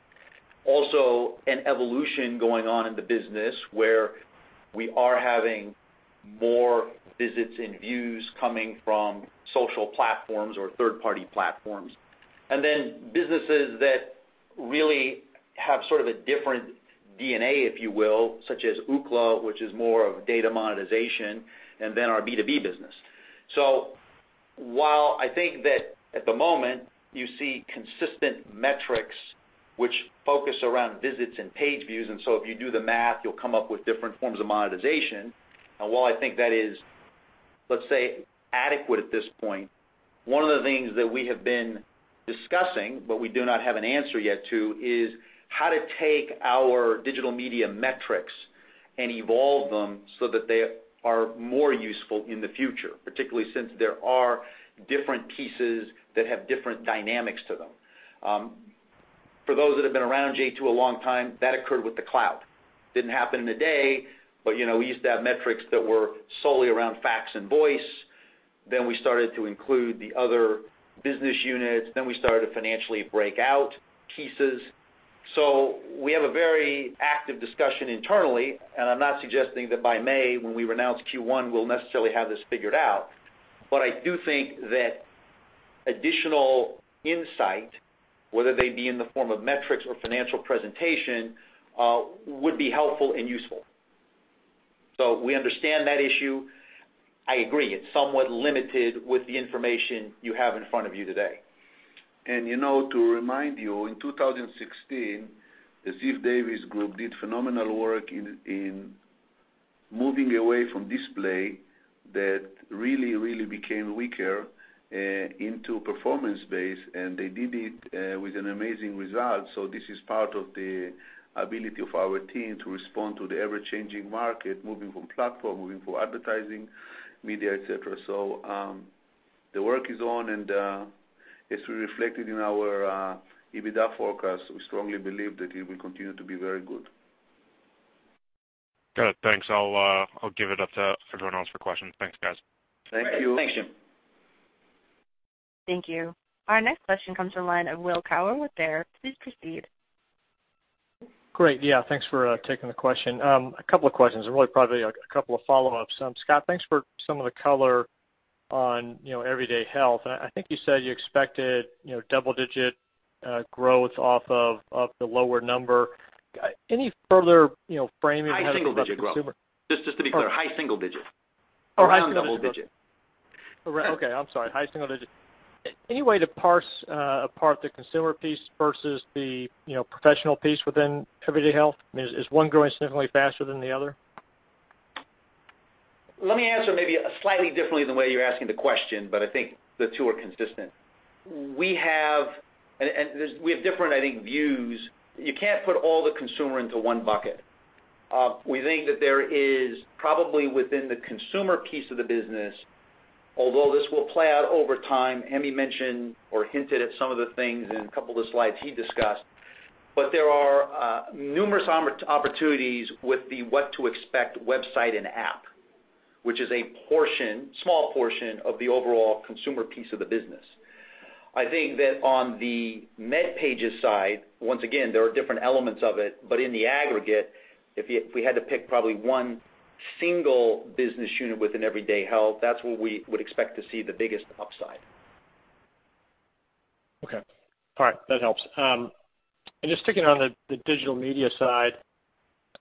Also, an evolution going on in the business where we are having more visits and views coming from social platforms or third-party platforms. Then businesses that really have sort of a different DNA, if you will, such as Ookla, which is more of data monetization, then our B2B business. While I think that at the moment you see consistent metrics which focus around visits and page views, and so if you do the math, you'll come up with different forms of monetization. While I think that is, let's say, adequate at this point, one of the things that we have been discussing, but we do not have an answer yet to, is how to take our digital media metrics and evolve them so that they are more useful in the future, particularly since there are different pieces that have different dynamics to them. For those that have been around J2 a long time, that occurred with the cloud. It didn't happen in a day, but we used to have metrics that were solely around fax and voice, then we started to include the other business units, then we started to financially break out pieces. We have a very active discussion internally, and I'm not suggesting that by May, when we announce Q1, we'll necessarily have this figured out, but I do think that additional insight, whether they be in the form of metrics or financial presentation, would be helpful and useful. We understand that issue. I agree, it's somewhat limited with the information you have in front of you today. To remind you, in 2016, the Ziff Davis group did phenomenal work in moving away from display that really became weaker into performance-based, and they did it with an amazing result. This is part of the ability of our team to respond to the ever-changing market, moving from platform, moving from advertising, media, et cetera. The work is on and as we reflected in our EBITDA forecast, we strongly believe that it will continue to be very good. Got it, thanks. I'll give it up for everyone else for questions. Thanks, guys. Thank you. Thank you. Thank you. Our next question comes from the line of Will Power with Baird. Please proceed. Great. Yeah, thanks for taking the question. A couple of questions, and really probably a couple of follow-ups. Scott, thanks for some of the color on Everyday Health. I think you said you expected double-digit growth off of the lower number. Any further framing? High single-digit growth. Just to be clear, high single-digit. Oh, high single-digit. Not double-digit. Okay, I'm sorry. High single-digit. Any way to parse apart the consumer piece versus the professional piece within Everyday Health? Is one growing significantly faster than the other? Let me answer maybe slightly differently than the way you're asking the question, but I think the two are consistent. We have different, I think, views. You can't put all the consumer into one bucket. We think that there is probably within the consumer piece of the business, although this will play out over time, Hemi mentioned or hinted at some of the things in a couple of the slides he discussed, but there are numerous opportunities with the What to Expect website and app, which is a small portion of the overall consumer piece of the business. I think that on the MedPage side, once again, there are different elements of it, but in the aggregate, if we had to pick probably one single business unit within Everyday Health, that's where we would expect to see the biggest upside. Okay. All right. That helps. Just sticking on the digital media side,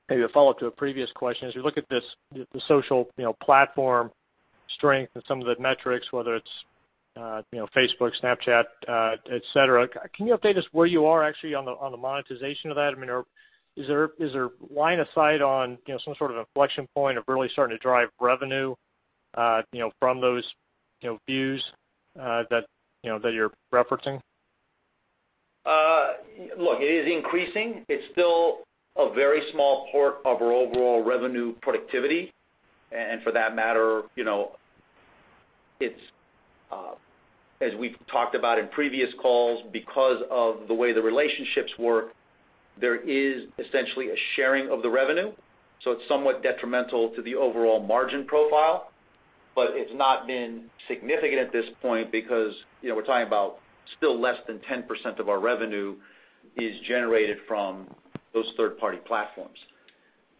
maybe a follow-up to a previous question. As you look at the social platform strength and some of the metrics, whether it's Facebook, Snapchat, et cetera, can you update us where you are actually on the monetization of that? Is there line of sight on some sort of inflection point of really starting to drive revenue from those views that you're referencing? Look, it is increasing. It's still a very small part of our overall revenue productivity. For that matter, as we've talked about in previous calls, because of the way the relationships work, there is essentially a sharing of the revenue, so it's somewhat detrimental to the overall margin profile, but it's not been significant at this point because we're talking about still less than 10% of our revenue is generated from those third-party platforms.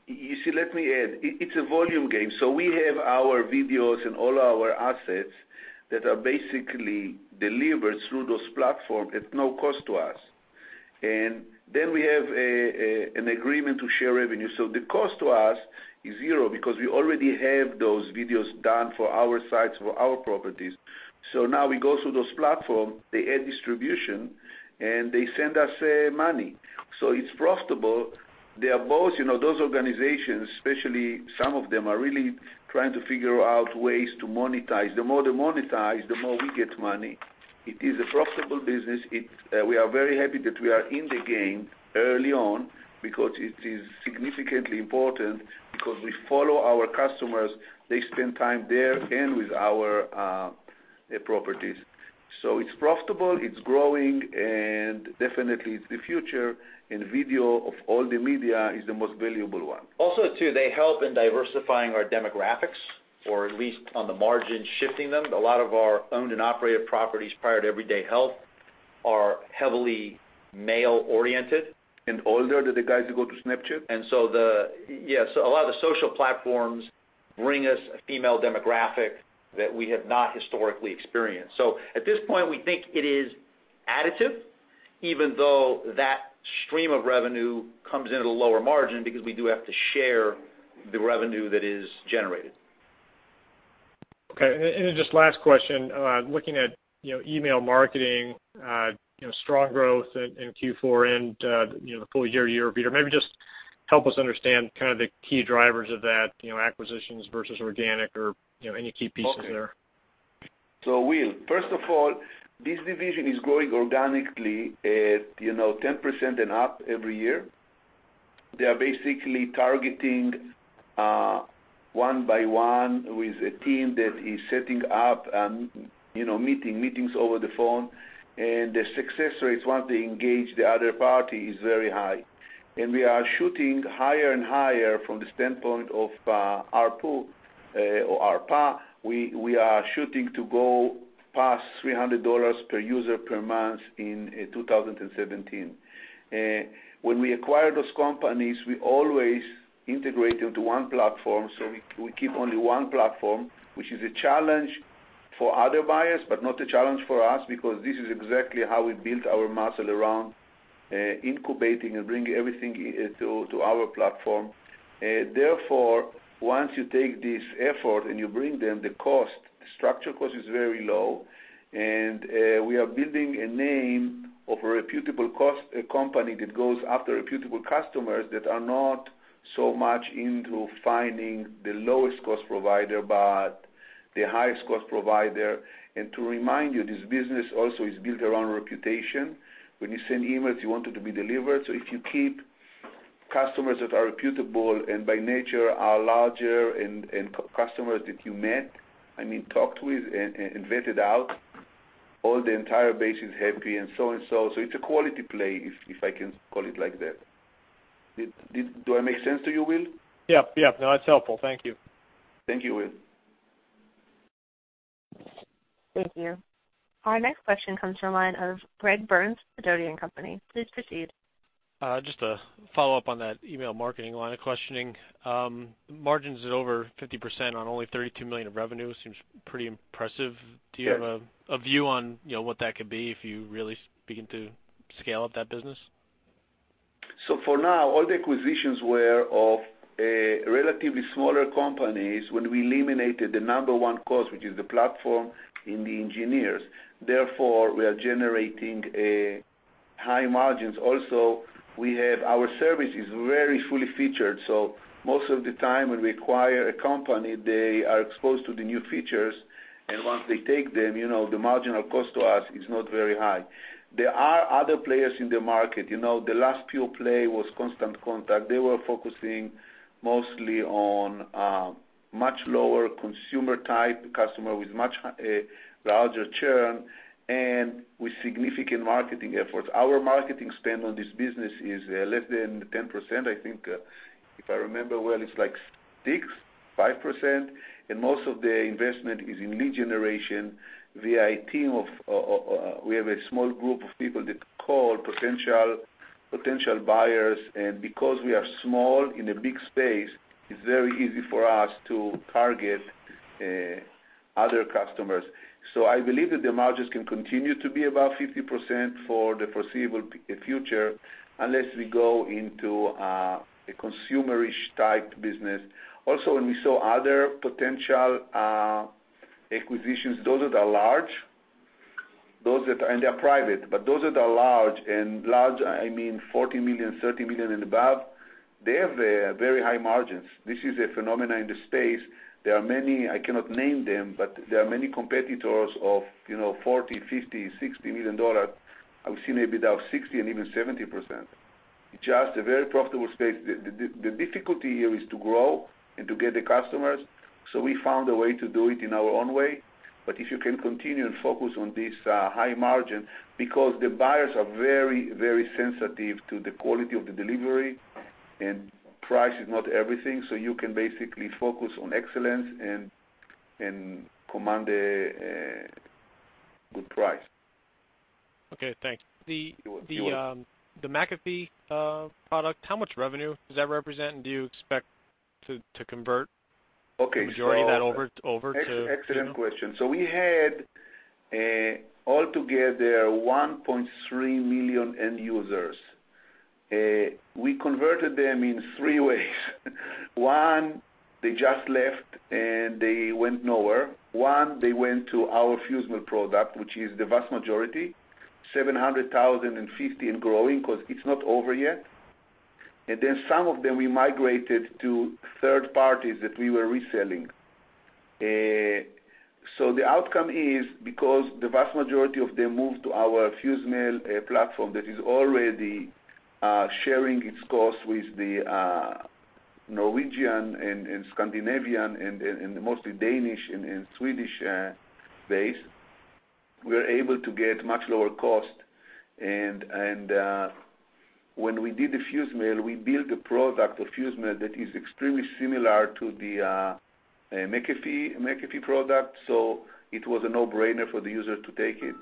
You see, let me add. It's a volume game. We have our videos and all our assets that are basically delivered through those platforms at no cost to us. Then we have an agreement to share revenue. The cost to us is zero because we already have those videos done for our sites, for our properties. Now we go through those platforms, they add distribution, and they send us money. It's profitable. Those organizations, especially some of them, are really trying to figure out ways to monetize. The more they monetize, the more we get money. It is a profitable business. We are very happy that we are in the game early on because it is significantly important because we follow our customers. They spend time there and with our properties. It's profitable, it's growing, definitely it's the future, video of all the media is the most valuable one. They help in diversifying our demographics, or at least on the margin, shifting them. A lot of our owned and operated properties prior to Everyday Health are heavily male-oriented. Older than the guys who go to Snapchat. Yes, a lot of the social platforms bring us a female demographic that we have not historically experienced. At this point, we think it is additive, even though that stream of revenue comes in at a lower margin because we do have to share the revenue that is generated. Then just last question, looking at email marketing, strong growth in Q4 and the full year-over-year, maybe just help us understand kind of the key drivers of that, acquisitions versus organic or any key pieces there. Okay. Will, first of all, this division is growing organically at 10% and up every year. They are basically targeting one by one with a team that is setting up and meeting, meetings over the phone, and the success rates, once they engage the other party, is very high. We are shooting higher and higher from the standpoint of ARPU or ARPA. We are shooting to go past $300 per user per month in 2017. When we acquire those companies, we always integrate into one platform, so we keep only one platform, which is a challenge for other buyers, but not a challenge for us because this is exactly how we built our muscle around incubating and bringing everything in to our platform. Therefore, once you take this effort and you bring them the cost, the structural cost is very low. We are building a name of a reputable company that goes after reputable customers that are not so much into finding the lowest cost provider, but the highest cost provider. To remind you, this business also is built around reputation. When you send emails, you want it to be delivered. If you keep customers that are reputable and by nature are larger and customers that you met, I mean, talked with and vetted out, all the entire base is happy and so and so. It's a quality play, if I can call it like that. Do I make sense to you, Will? Yep. No, that's helpful. Thank you. Thank you, Will. Thank you. Our next question comes from the line of Greg Burns, Sidoti & Company. Please proceed. Just a follow-up on that email marketing line of questioning. Margins at over 50% on only $32 million of revenue seems pretty impressive. Yes. Do you have a view on what that could be if you really begin to scale up that business? For now, all the acquisitions were of relatively smaller companies when we eliminated the number 1 cost, which is the platform and the engineers. Therefore, we are generating high margins. Also, we have our services very fully featured, most of the time when we acquire a company, they are exposed to the new features, and once they take them, the marginal cost to us is not very high. There are other players in the market. The last pure play was Constant Contact. They were focusing mostly on much lower consumer-type customer with much larger churn and with significant marketing efforts. Our marketing spend on this business is less than 10%. I think, if I remember well, it's like 6%, 5%, and most of the investment is in lead generation. We have a small group of people that call potential buyers, and because we are small in a big space, it's very easy for us to target other customers. I believe that the margins can continue to be above 50% for the foreseeable future unless we go into a consumer-ish type business. When we saw other potential acquisitions, those that are large, and they are private, but those that are large, and large, I mean, $40 million, $30 million and above, they have very high margins. This is a phenomenon in the space. There are many, I cannot name them, but there are many competitors of $40 million, $50 million, $60 million. I've seen EBITDA of 60% and even 70%. It's just a very profitable space. The difficulty here is to grow and to get the customers. We found a way to do it in our own way. If you can continue and focus on this high margin, because the buyers are very, very sensitive to the quality of the delivery, and price is not everything, you can basically focus on excellence and command a good price. Okay, thanks. You're welcome. The McAfee product, how much revenue does that represent? Do you expect to convert- Okay. -the majority of that over to- Excellent question. We had altogether 1.3 million end users. We converted them in three ways. One, they just left, and they went nowhere. One, they went to our FuseMail product, which is the vast majority, 750,000 and growing because it's not over yet. Some of them we migrated to third parties that we were reselling. The outcome is because the vast majority of them moved to our FuseMail platform that is already sharing its cost with the Norwegian and Scandinavian and mostly Danish and Swedish base, we are able to get much lower cost. When we did the FuseMail, we built a product of FuseMail that is extremely similar to the McAfee product, so it was a no-brainer for the user to take it.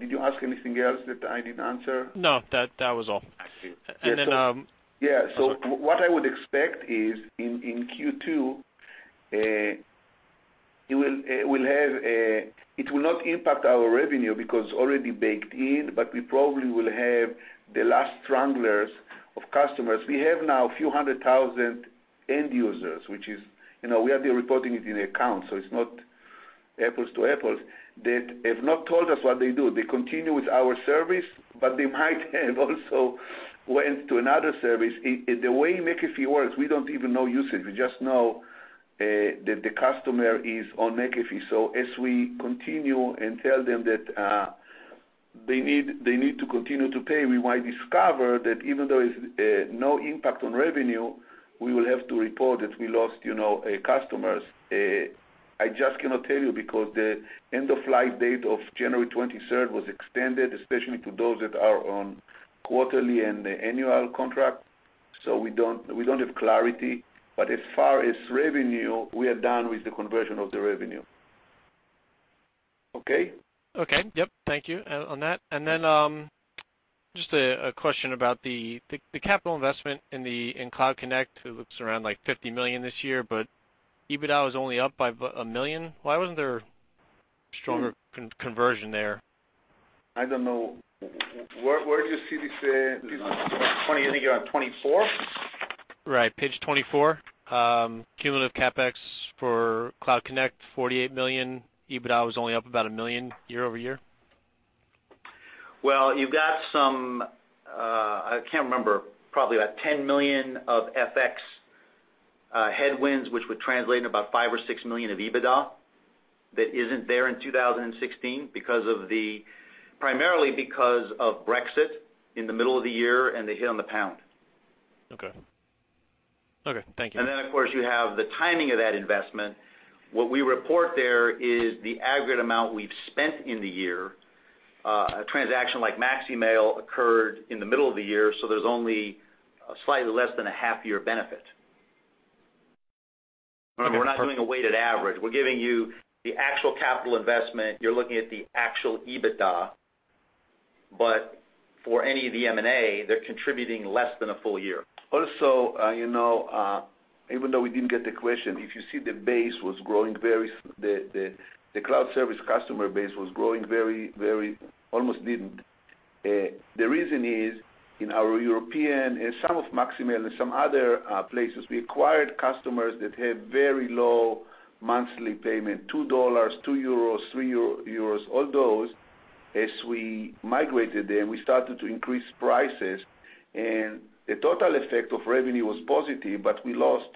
Did you ask anything else that I didn't answer? No, that was all. I see. And then- Yeah. What I would expect is in Q2 it will not impact our revenue because already baked in, but we probably will have the last stragglers of customers. We have now a few hundred thousand end users, which we have been reporting it in the account, so it's not apples to apples, that have not told us what they do. They continue with our service, but they might have also went to another service. The way McAfee works, we don't even know usage. We just know that the customer is on McAfee. As we continue and tell them that they need to continue to pay, we might discover that even though it's no impact on revenue, we will have to report that we lost customers. I just cannot tell you because the end of life date of January 23rd was extended, especially to those that are on quarterly and annual contract. We don't have clarity. As far as revenue, we are done with the conversion of the revenue. Okay? Okay. Yep. Thank you on that. Just a question about the capital investment in Cloud Connect. It looks around like $50 million this year, EBITDA was only up by $1 million. Why wasn't there stronger conversion there? I don't know. Where do you see this, Tony, I think you're on 24? Right, page 24. Cumulative CapEx for Cloud Connect, $48 million. EBITDA was only up about $1 million year-over-year. You've got some, I can't remember, probably about $10 million of FX headwinds, which would translate in about $5 or $6 million of EBITDA that isn't there in 2016, primarily because of Brexit in the middle of the year and the hit on the GBP. Okay. Thank you. Of course, you have the timing of that investment. What we report there is the aggregate amount we've spent in the year. A transaction like Maxemail occurred in the middle of the year, so there's only slightly less than a half year benefit. We're not doing a weighted average. We're giving you the actual capital investment. You're looking at the actual EBITDA, but for any of the M&A, they're contributing less than a full year. Even though we didn't get the question, if you see the cloud service customer base was growing very, almost didn't. The reason is in our European and some of Maxemail and some other places, we acquired customers that had very low monthly payment, $2, 2 euros, 3 euros, all those. As we migrated them, we started to increase prices, and the total effect of revenue was positive, but we lost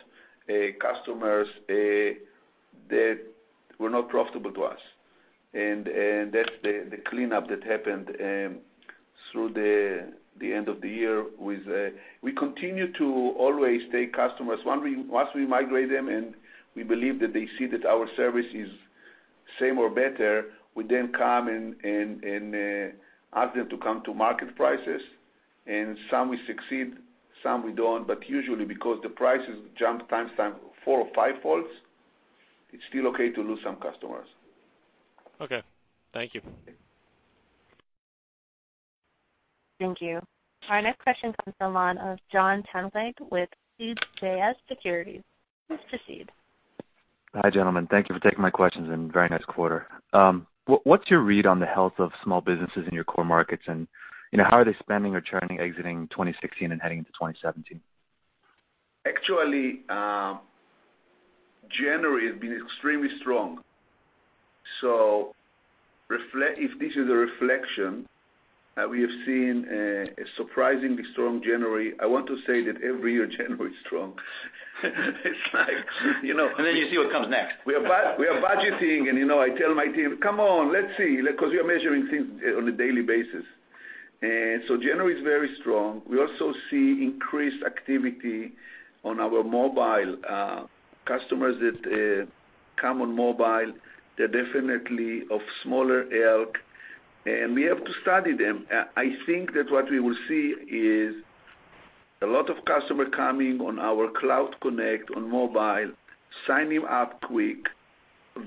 customers that were not profitable to us, and that's the cleanup that happened through the end of the year. We continue to always take customers once we migrate them, and we believe that they see that our service is same or better, we then come and ask them to come to market prices. Some we succeed, some we don't. Usually because the prices jump times four or five folds, it's still okay to lose some customers. Okay. Thank you. Thank you. Our next question comes from the line of Jonathan Tanwanteng with CJS Securities. Please proceed. Hi, gentlemen. Thank you for taking my questions and very nice quarter. What's your read on the health of small businesses in your core markets, and how are they spending or turning exiting 2016 and heading into 2017? Actually, January has been extremely strong. If this is a reflection, we have seen a surprisingly strong January. I want to say that every year January is strong. Then you see what comes next. We are budgeting, and I tell my team, "Come on, let's see," because we are measuring things on a daily basis. So January is very strong. We also see increased activity on our mobile customers that come on mobile. They're definitely of smaller ilk, and we have to study them. I think that what we will see is a lot of customer coming on our Cloud Connect on mobile, signing up quick,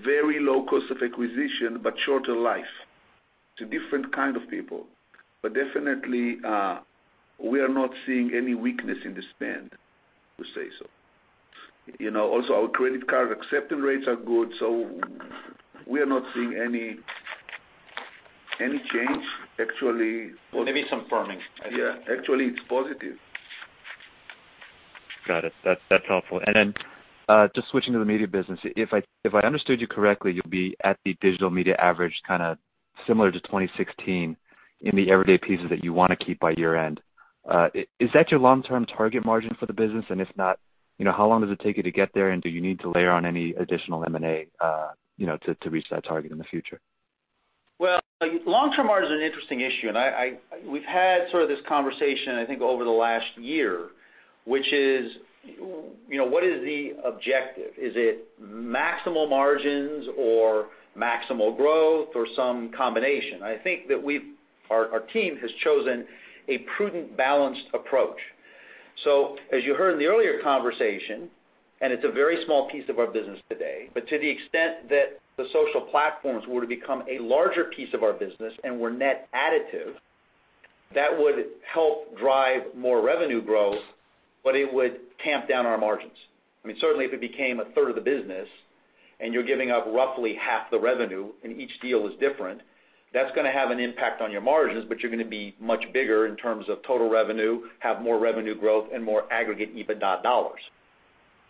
very low cost of acquisition, but shorter life. It's a different kind of people. Definitely, we are not seeing any weakness in the spend, to say so. Also, our credit card acceptance rates are good, so we are not seeing any change. Actually. Maybe some firming. Yeah. Actually, it's positive. Got it. That's helpful. Just switching to the media business. If I understood you correctly, you'll be at the digital media average kind of similar to 2016 in the Everyday pieces that you want to keep by year-end. Is that your long-term target margin for the business? If not, how long does it take you to get there, and do you need to layer on any additional M&A to reach that target in the future? Well, long-term margin is an interesting issue. We've had sort of this conversation, I think, over the last year, which is, what is the objective? Is it maximal margins or maximal growth or some combination? I think that our team has chosen a prudent, balanced approach. As you heard in the earlier conversation, it's a very small piece of our business today, but to the extent that the social platforms were to become a larger piece of our business and were net additive. That would help drive more revenue growth, but it would tamp down our margins. Certainly, if it became a third of the business and you're giving up roughly half the revenue, and each deal is different, that's going to have an impact on your margins, but you're going to be much bigger in terms of total revenue, have more revenue growth, and more aggregate EBITDA dollars.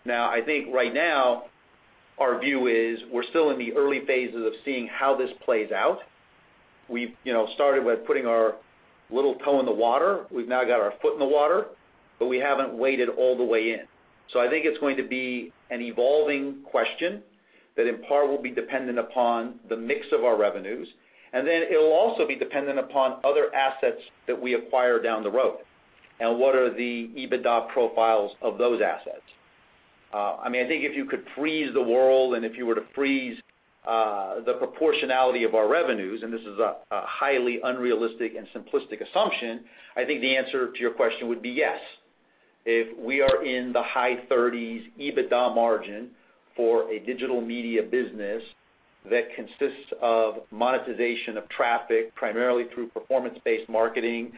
I think right now our view is we're still in the early phases of seeing how this plays out. We've started with putting our little toe in the water. We've now got our foot in the water, but we haven't waded all the way in. I think it's going to be an evolving question that in part will be dependent upon the mix of our revenues, and then it will also be dependent upon other assets that we acquire down the road and what are the EBITDA profiles of those assets. I think if you could freeze the world and if you were to freeze the proportionality of our revenues, and this is a highly unrealistic and simplistic assumption, I think the answer to your question would be yes. If we are in the high 30s EBITDA margin for a digital media business that consists of monetization of traffic, primarily through performance-based marketing,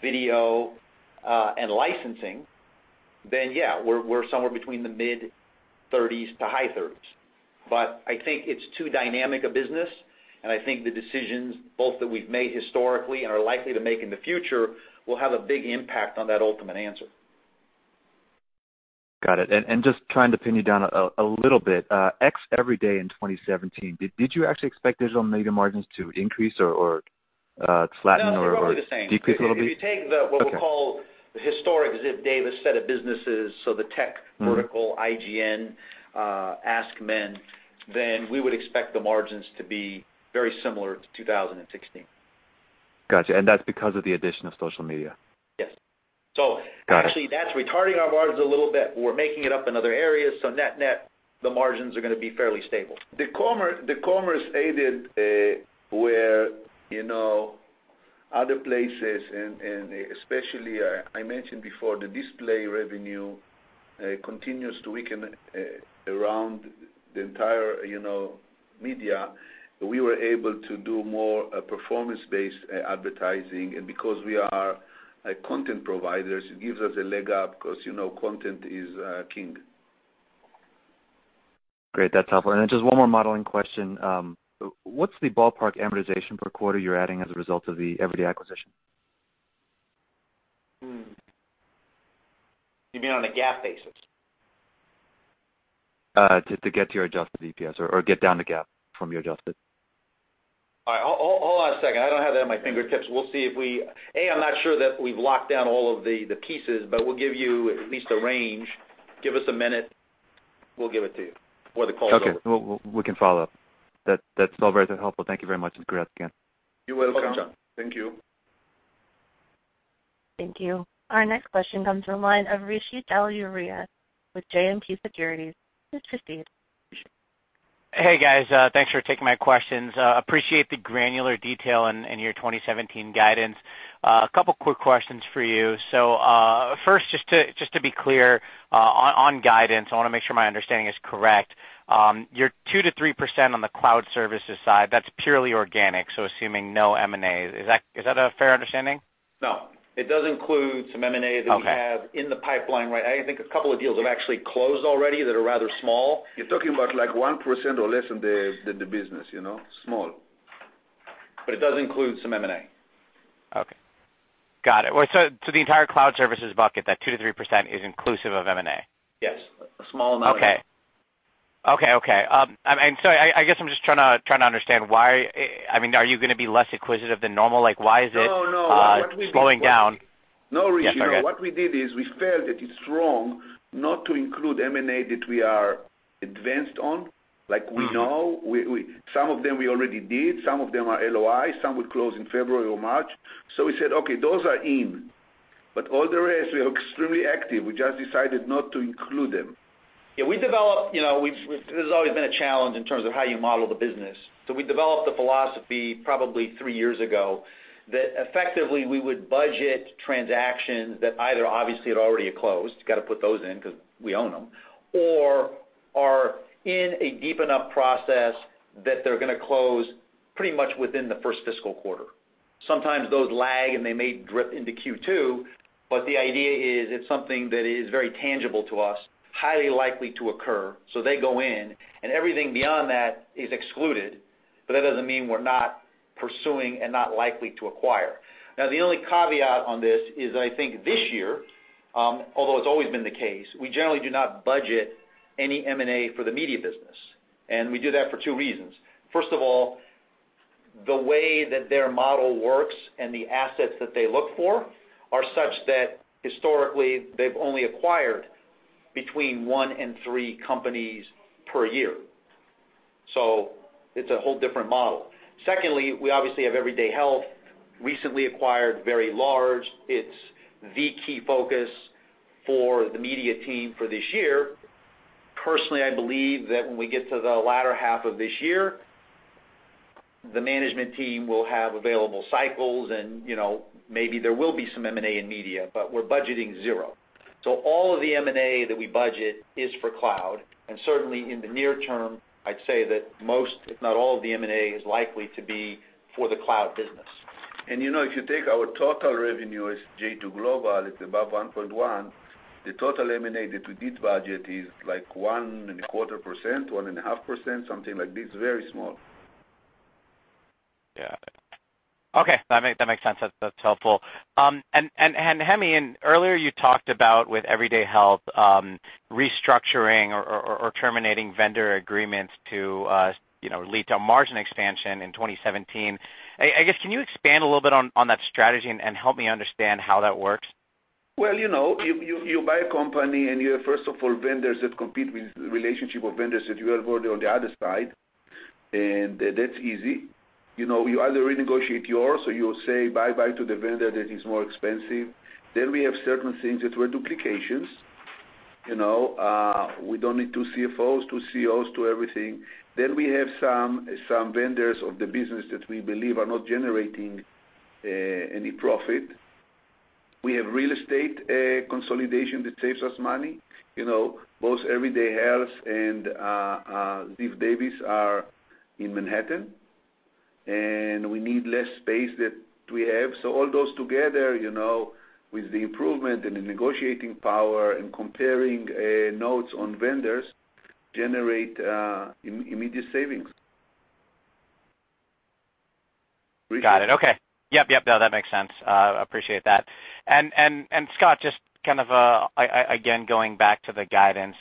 video, and licensing, then yeah, we're somewhere between the mid 30s to high 30s. I think it's too dynamic a business, I think the decisions both that we've made historically and are likely to make in the future will have a big impact on that ultimate answer. Got it. Just trying to pin you down a little bit. Ex-Everyday in 2017, did you actually expect digital media margins to increase or flatten or- No, it's probably the same decrease a little bit? If you take what we call the historic Ziff Davis set of businesses, the tech vertical, IGN, AskMen, we would expect the margins to be very similar to 2016. Got you. That's because of the addition of social media? Yes. Got it. Actually, that's retarding our margins a little bit. We're making it up in other areas, net-net, the margins are going to be fairly stable. The commerce aided where other places, especially I mentioned before, the display revenue continues to weaken around the entire media. We were able to do more performance-based advertising. Because we are content providers, it gives us a leg up because content is king. Great. That's helpful. Then just one more modeling question. What's the ballpark amortization per quarter you're adding as a result of the Everyday acquisition? You mean on a GAAP basis? To get to your adjusted EPS or get down to GAAP from your adjusted. All right. Hold on a second. I don't have that at my fingertips. I'm not sure that we've locked down all of the pieces, but we'll give you at least a range. Give us a minute. We'll give it to you before the call's over. Okay. We can follow up. That's all very helpful. Thank you very much. Great, again. You're welcome. Okay, John. Thank you. Thank you. Our next question comes from the line of Rishi Jaluria with JMP Securities. Please proceed, Rishi. Hey, guys. Thanks for taking my questions. Appreciate the granular detail in your 2017 guidance. A couple quick questions for you. First, just to be clear on guidance, I want to make sure my understanding is correct. Your 2%-3% on the cloud services side, that's purely organic, assuming no M&A. Is that a fair understanding? No, it does include some M&A that- Okay we have in the pipeline right now. I think a couple of deals have actually closed already that are rather small. You're talking about 1% or less than the business. Small. It does include some M&A. Okay. Got it. The entire cloud services bucket, that 2%-3% is inclusive of M&A? Yes. A small amount. Okay. I guess I'm just trying to understand why. Are you going to be less acquisitive than normal? No Slowing down? No, Rishi. Yes, okay. What we did is we felt it is wrong not to include M&A that we are advanced on. Like we know some of them we already did, some of them are LOI, some would close in February or March. We said, okay, those are in. All the rest, we are extremely active. We just decided not to include them. Yeah, there's always been a challenge in terms of how you model the business. We developed a philosophy probably three years ago that effectively we would budget transactions that either obviously had already closed, got to put those in because we own them, or are in a deep enough process that they're going to close pretty much within the first fiscal quarter. Sometimes those lag, and they may drip into Q2, but the idea is it's something that is very tangible to us, highly likely to occur, so they go in. Everything beyond that is excluded, but that doesn't mean we're not pursuing and not likely to acquire. Now, the only caveat on this is I think this year, although it's always been the case, we generally do not budget any M&A for the media business. We do that for two reasons. First of all, the way that their model works and the assets that they look for are such that historically they've only acquired between one and three companies per year. It's a whole different model. Secondly, we obviously have Everyday Health, recently acquired very large. It's the key focus for the media team for this year. Personally, I believe that when we get to the latter half of this year, the management team will have available cycles and maybe there will be some M&A in media, but we're budgeting zero. All of the M&A that we budget is for cloud, and certainly in the near term, I'd say that most, if not all of the M&A, is likely to be for the cloud business. If you take our total revenue as j2 Global, it's above $1.1. The total M&A that we did budget is like 1.25%, 1.5%, something like this. Very small. Yeah. Okay. That makes sense. That's helpful. Hemi, earlier you talked about, with Everyday Health, restructuring or terminating vendor agreements to lead to margin expansion in 2017. I guess, can you expand a little bit on that strategy and help me understand how that works? You buy a company and you have, first of all, vendors that compete with relationship with vendors that you have already on the other side, that's easy. You either renegotiate yours or you say bye-bye to the vendor that is more expensive. We have certain things that were duplications. We don't need two CFOs, two COs, two everything. We have some vendors of the business that we believe are not generating any profit. We have real estate consolidation that saves us money. Both Everyday Health and Ziff Davis are in Manhattan, and we need less space that we have. All those together, with the improvement and the negotiating power and comparing notes on vendors, generate immediate savings. Got it. Okay. Yep. No, that makes sense. Appreciate that. Scott, just again going back to the guidance.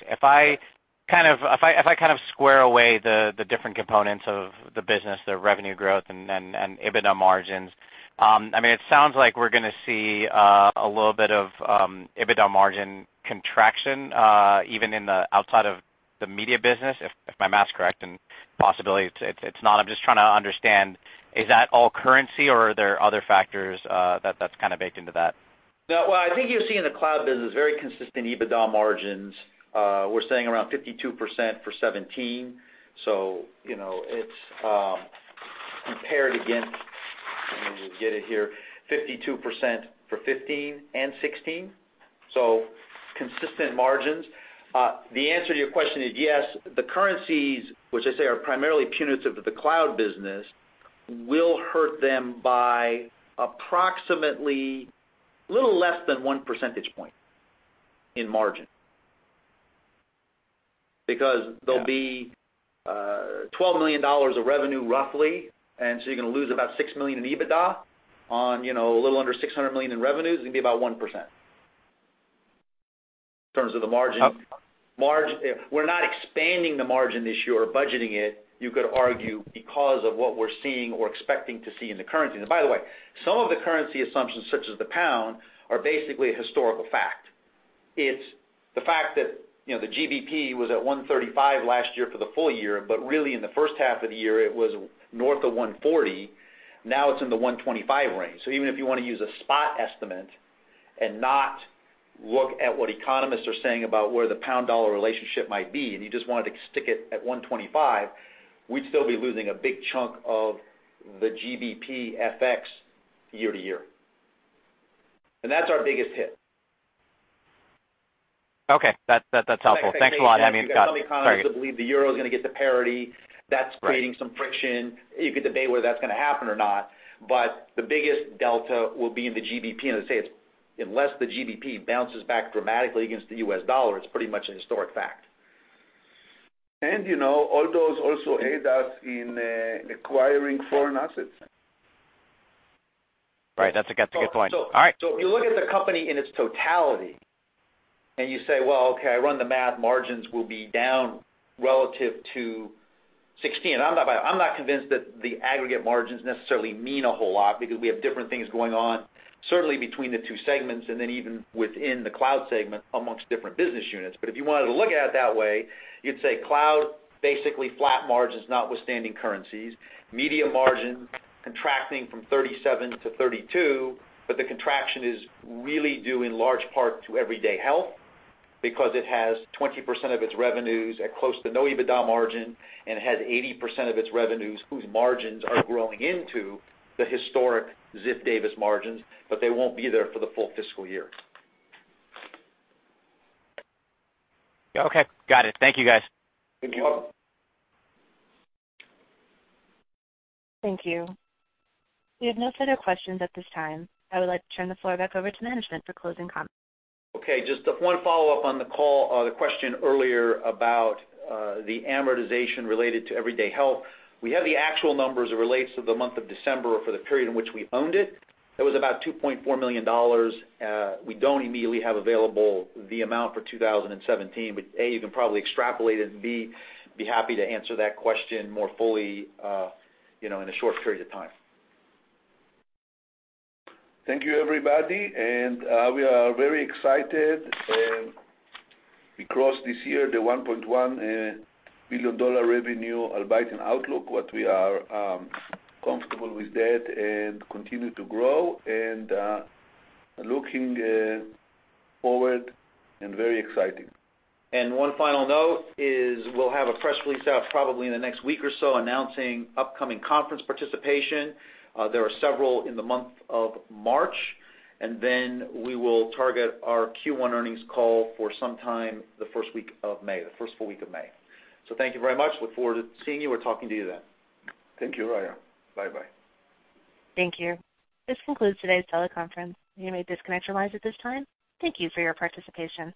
If I kind of square away the different components of the business, the revenue growth and EBITDA margins, it sounds like we're going to see a little bit of EBITDA margin contraction even in the outside of the media business, if my math's correct, and possibility it's not. I'm just trying to understand, is that all currency, or are there other factors that's baked into that? No. I think you'll see in the cloud business very consistent EBITDA margins. We're saying around 52% for 2017. It's compared against, let me just get it here, 52% for 2015 and 2016. Consistent margins. The answer to your question is yes. The currencies, which I say are primarily punitive to the cloud business, will hurt them by approximately a little less than one percentage point in margin because- Yeah There'll be $12 million of revenue, roughly. You're going to lose about $6 million in EBITDA on a little under $600 million in revenues. It's going to be about 1% in terms of the margin. We're not expanding the margin this year or budgeting it, you could argue, because of what we're seeing or expecting to see in the currency. By the way, some of the currency assumptions, such as the pound, are basically a historical fact. It's the fact that the GBP was at 135 last year for the full year, but really in the first half of the year, it was north of 140. Now it's in the 125 range. Even if you want to use a spot estimate and not look at what economists are saying about where the pound-dollar relationship might be, you just wanted to stick it at 125, we'd still be losing a big chunk of the GBP FX year-to-year. That's our biggest hit. Okay. That's helpful. Thanks a lot, Hemi and Scott. Sorry. Some economists believe the euro is going to get to parity. Right. That's creating some friction. You could debate whether that's going to happen or not, but the biggest delta will be in the GBP. As I say, unless the GBP bounces back dramatically against the US dollar, it's pretty much a historic fact. All those also aid us in acquiring foreign assets. Right. That's a good point. All right. If you look at the company in its totality and you say, "Well, okay, I run the math, margins will be down relative to 2016." I'm not convinced that the aggregate margins necessarily mean a whole lot because we have different things going on, certainly between the two segments and then even within the cloud segment amongst different business units. If you wanted to look at it that way, you'd say cloud, basically flat margins notwithstanding currencies. Media margins contracting from 37 to 32, but the contraction is really due in large part to Everyday Health because it has 20% of its revenues at close to no EBITDA margin and has 80% of its revenues whose margins are growing into the historic Ziff Davis margins, but they won't be there for the full fiscal year. Okay. Got it. Thank you, guys. Thank you. You're welcome. Thank you. We have no further questions at this time. I would like to turn the floor back over to management for closing comments. Okay. Just one follow-up on the call, the question earlier about the amortization related to Everyday Health. We have the actual numbers as it relates to the month of December for the period in which we owned it. It was about $2.4 million. We don't immediately have available the amount for 2017. A, you can probably extrapolate it, and B, be happy to answer that question more fully in a short period of time. Thank you, everybody. We are very excited. We crossed this year the $1.1 billion revenue albeit in outlook. We are comfortable with that and continue to grow and looking forward and very exciting. One final note is we'll have a press release out probably in the next week or so announcing upcoming conference participation. There are several in the month of March. We will target our Q1 earnings call for some time the first week of May, the first full week of May. Thank you very much. Look forward to seeing you or talking to you then. Thank you. Bye-bye. Thank you. This concludes today's teleconference. You may disconnect your lines at this time. Thank you for your participation.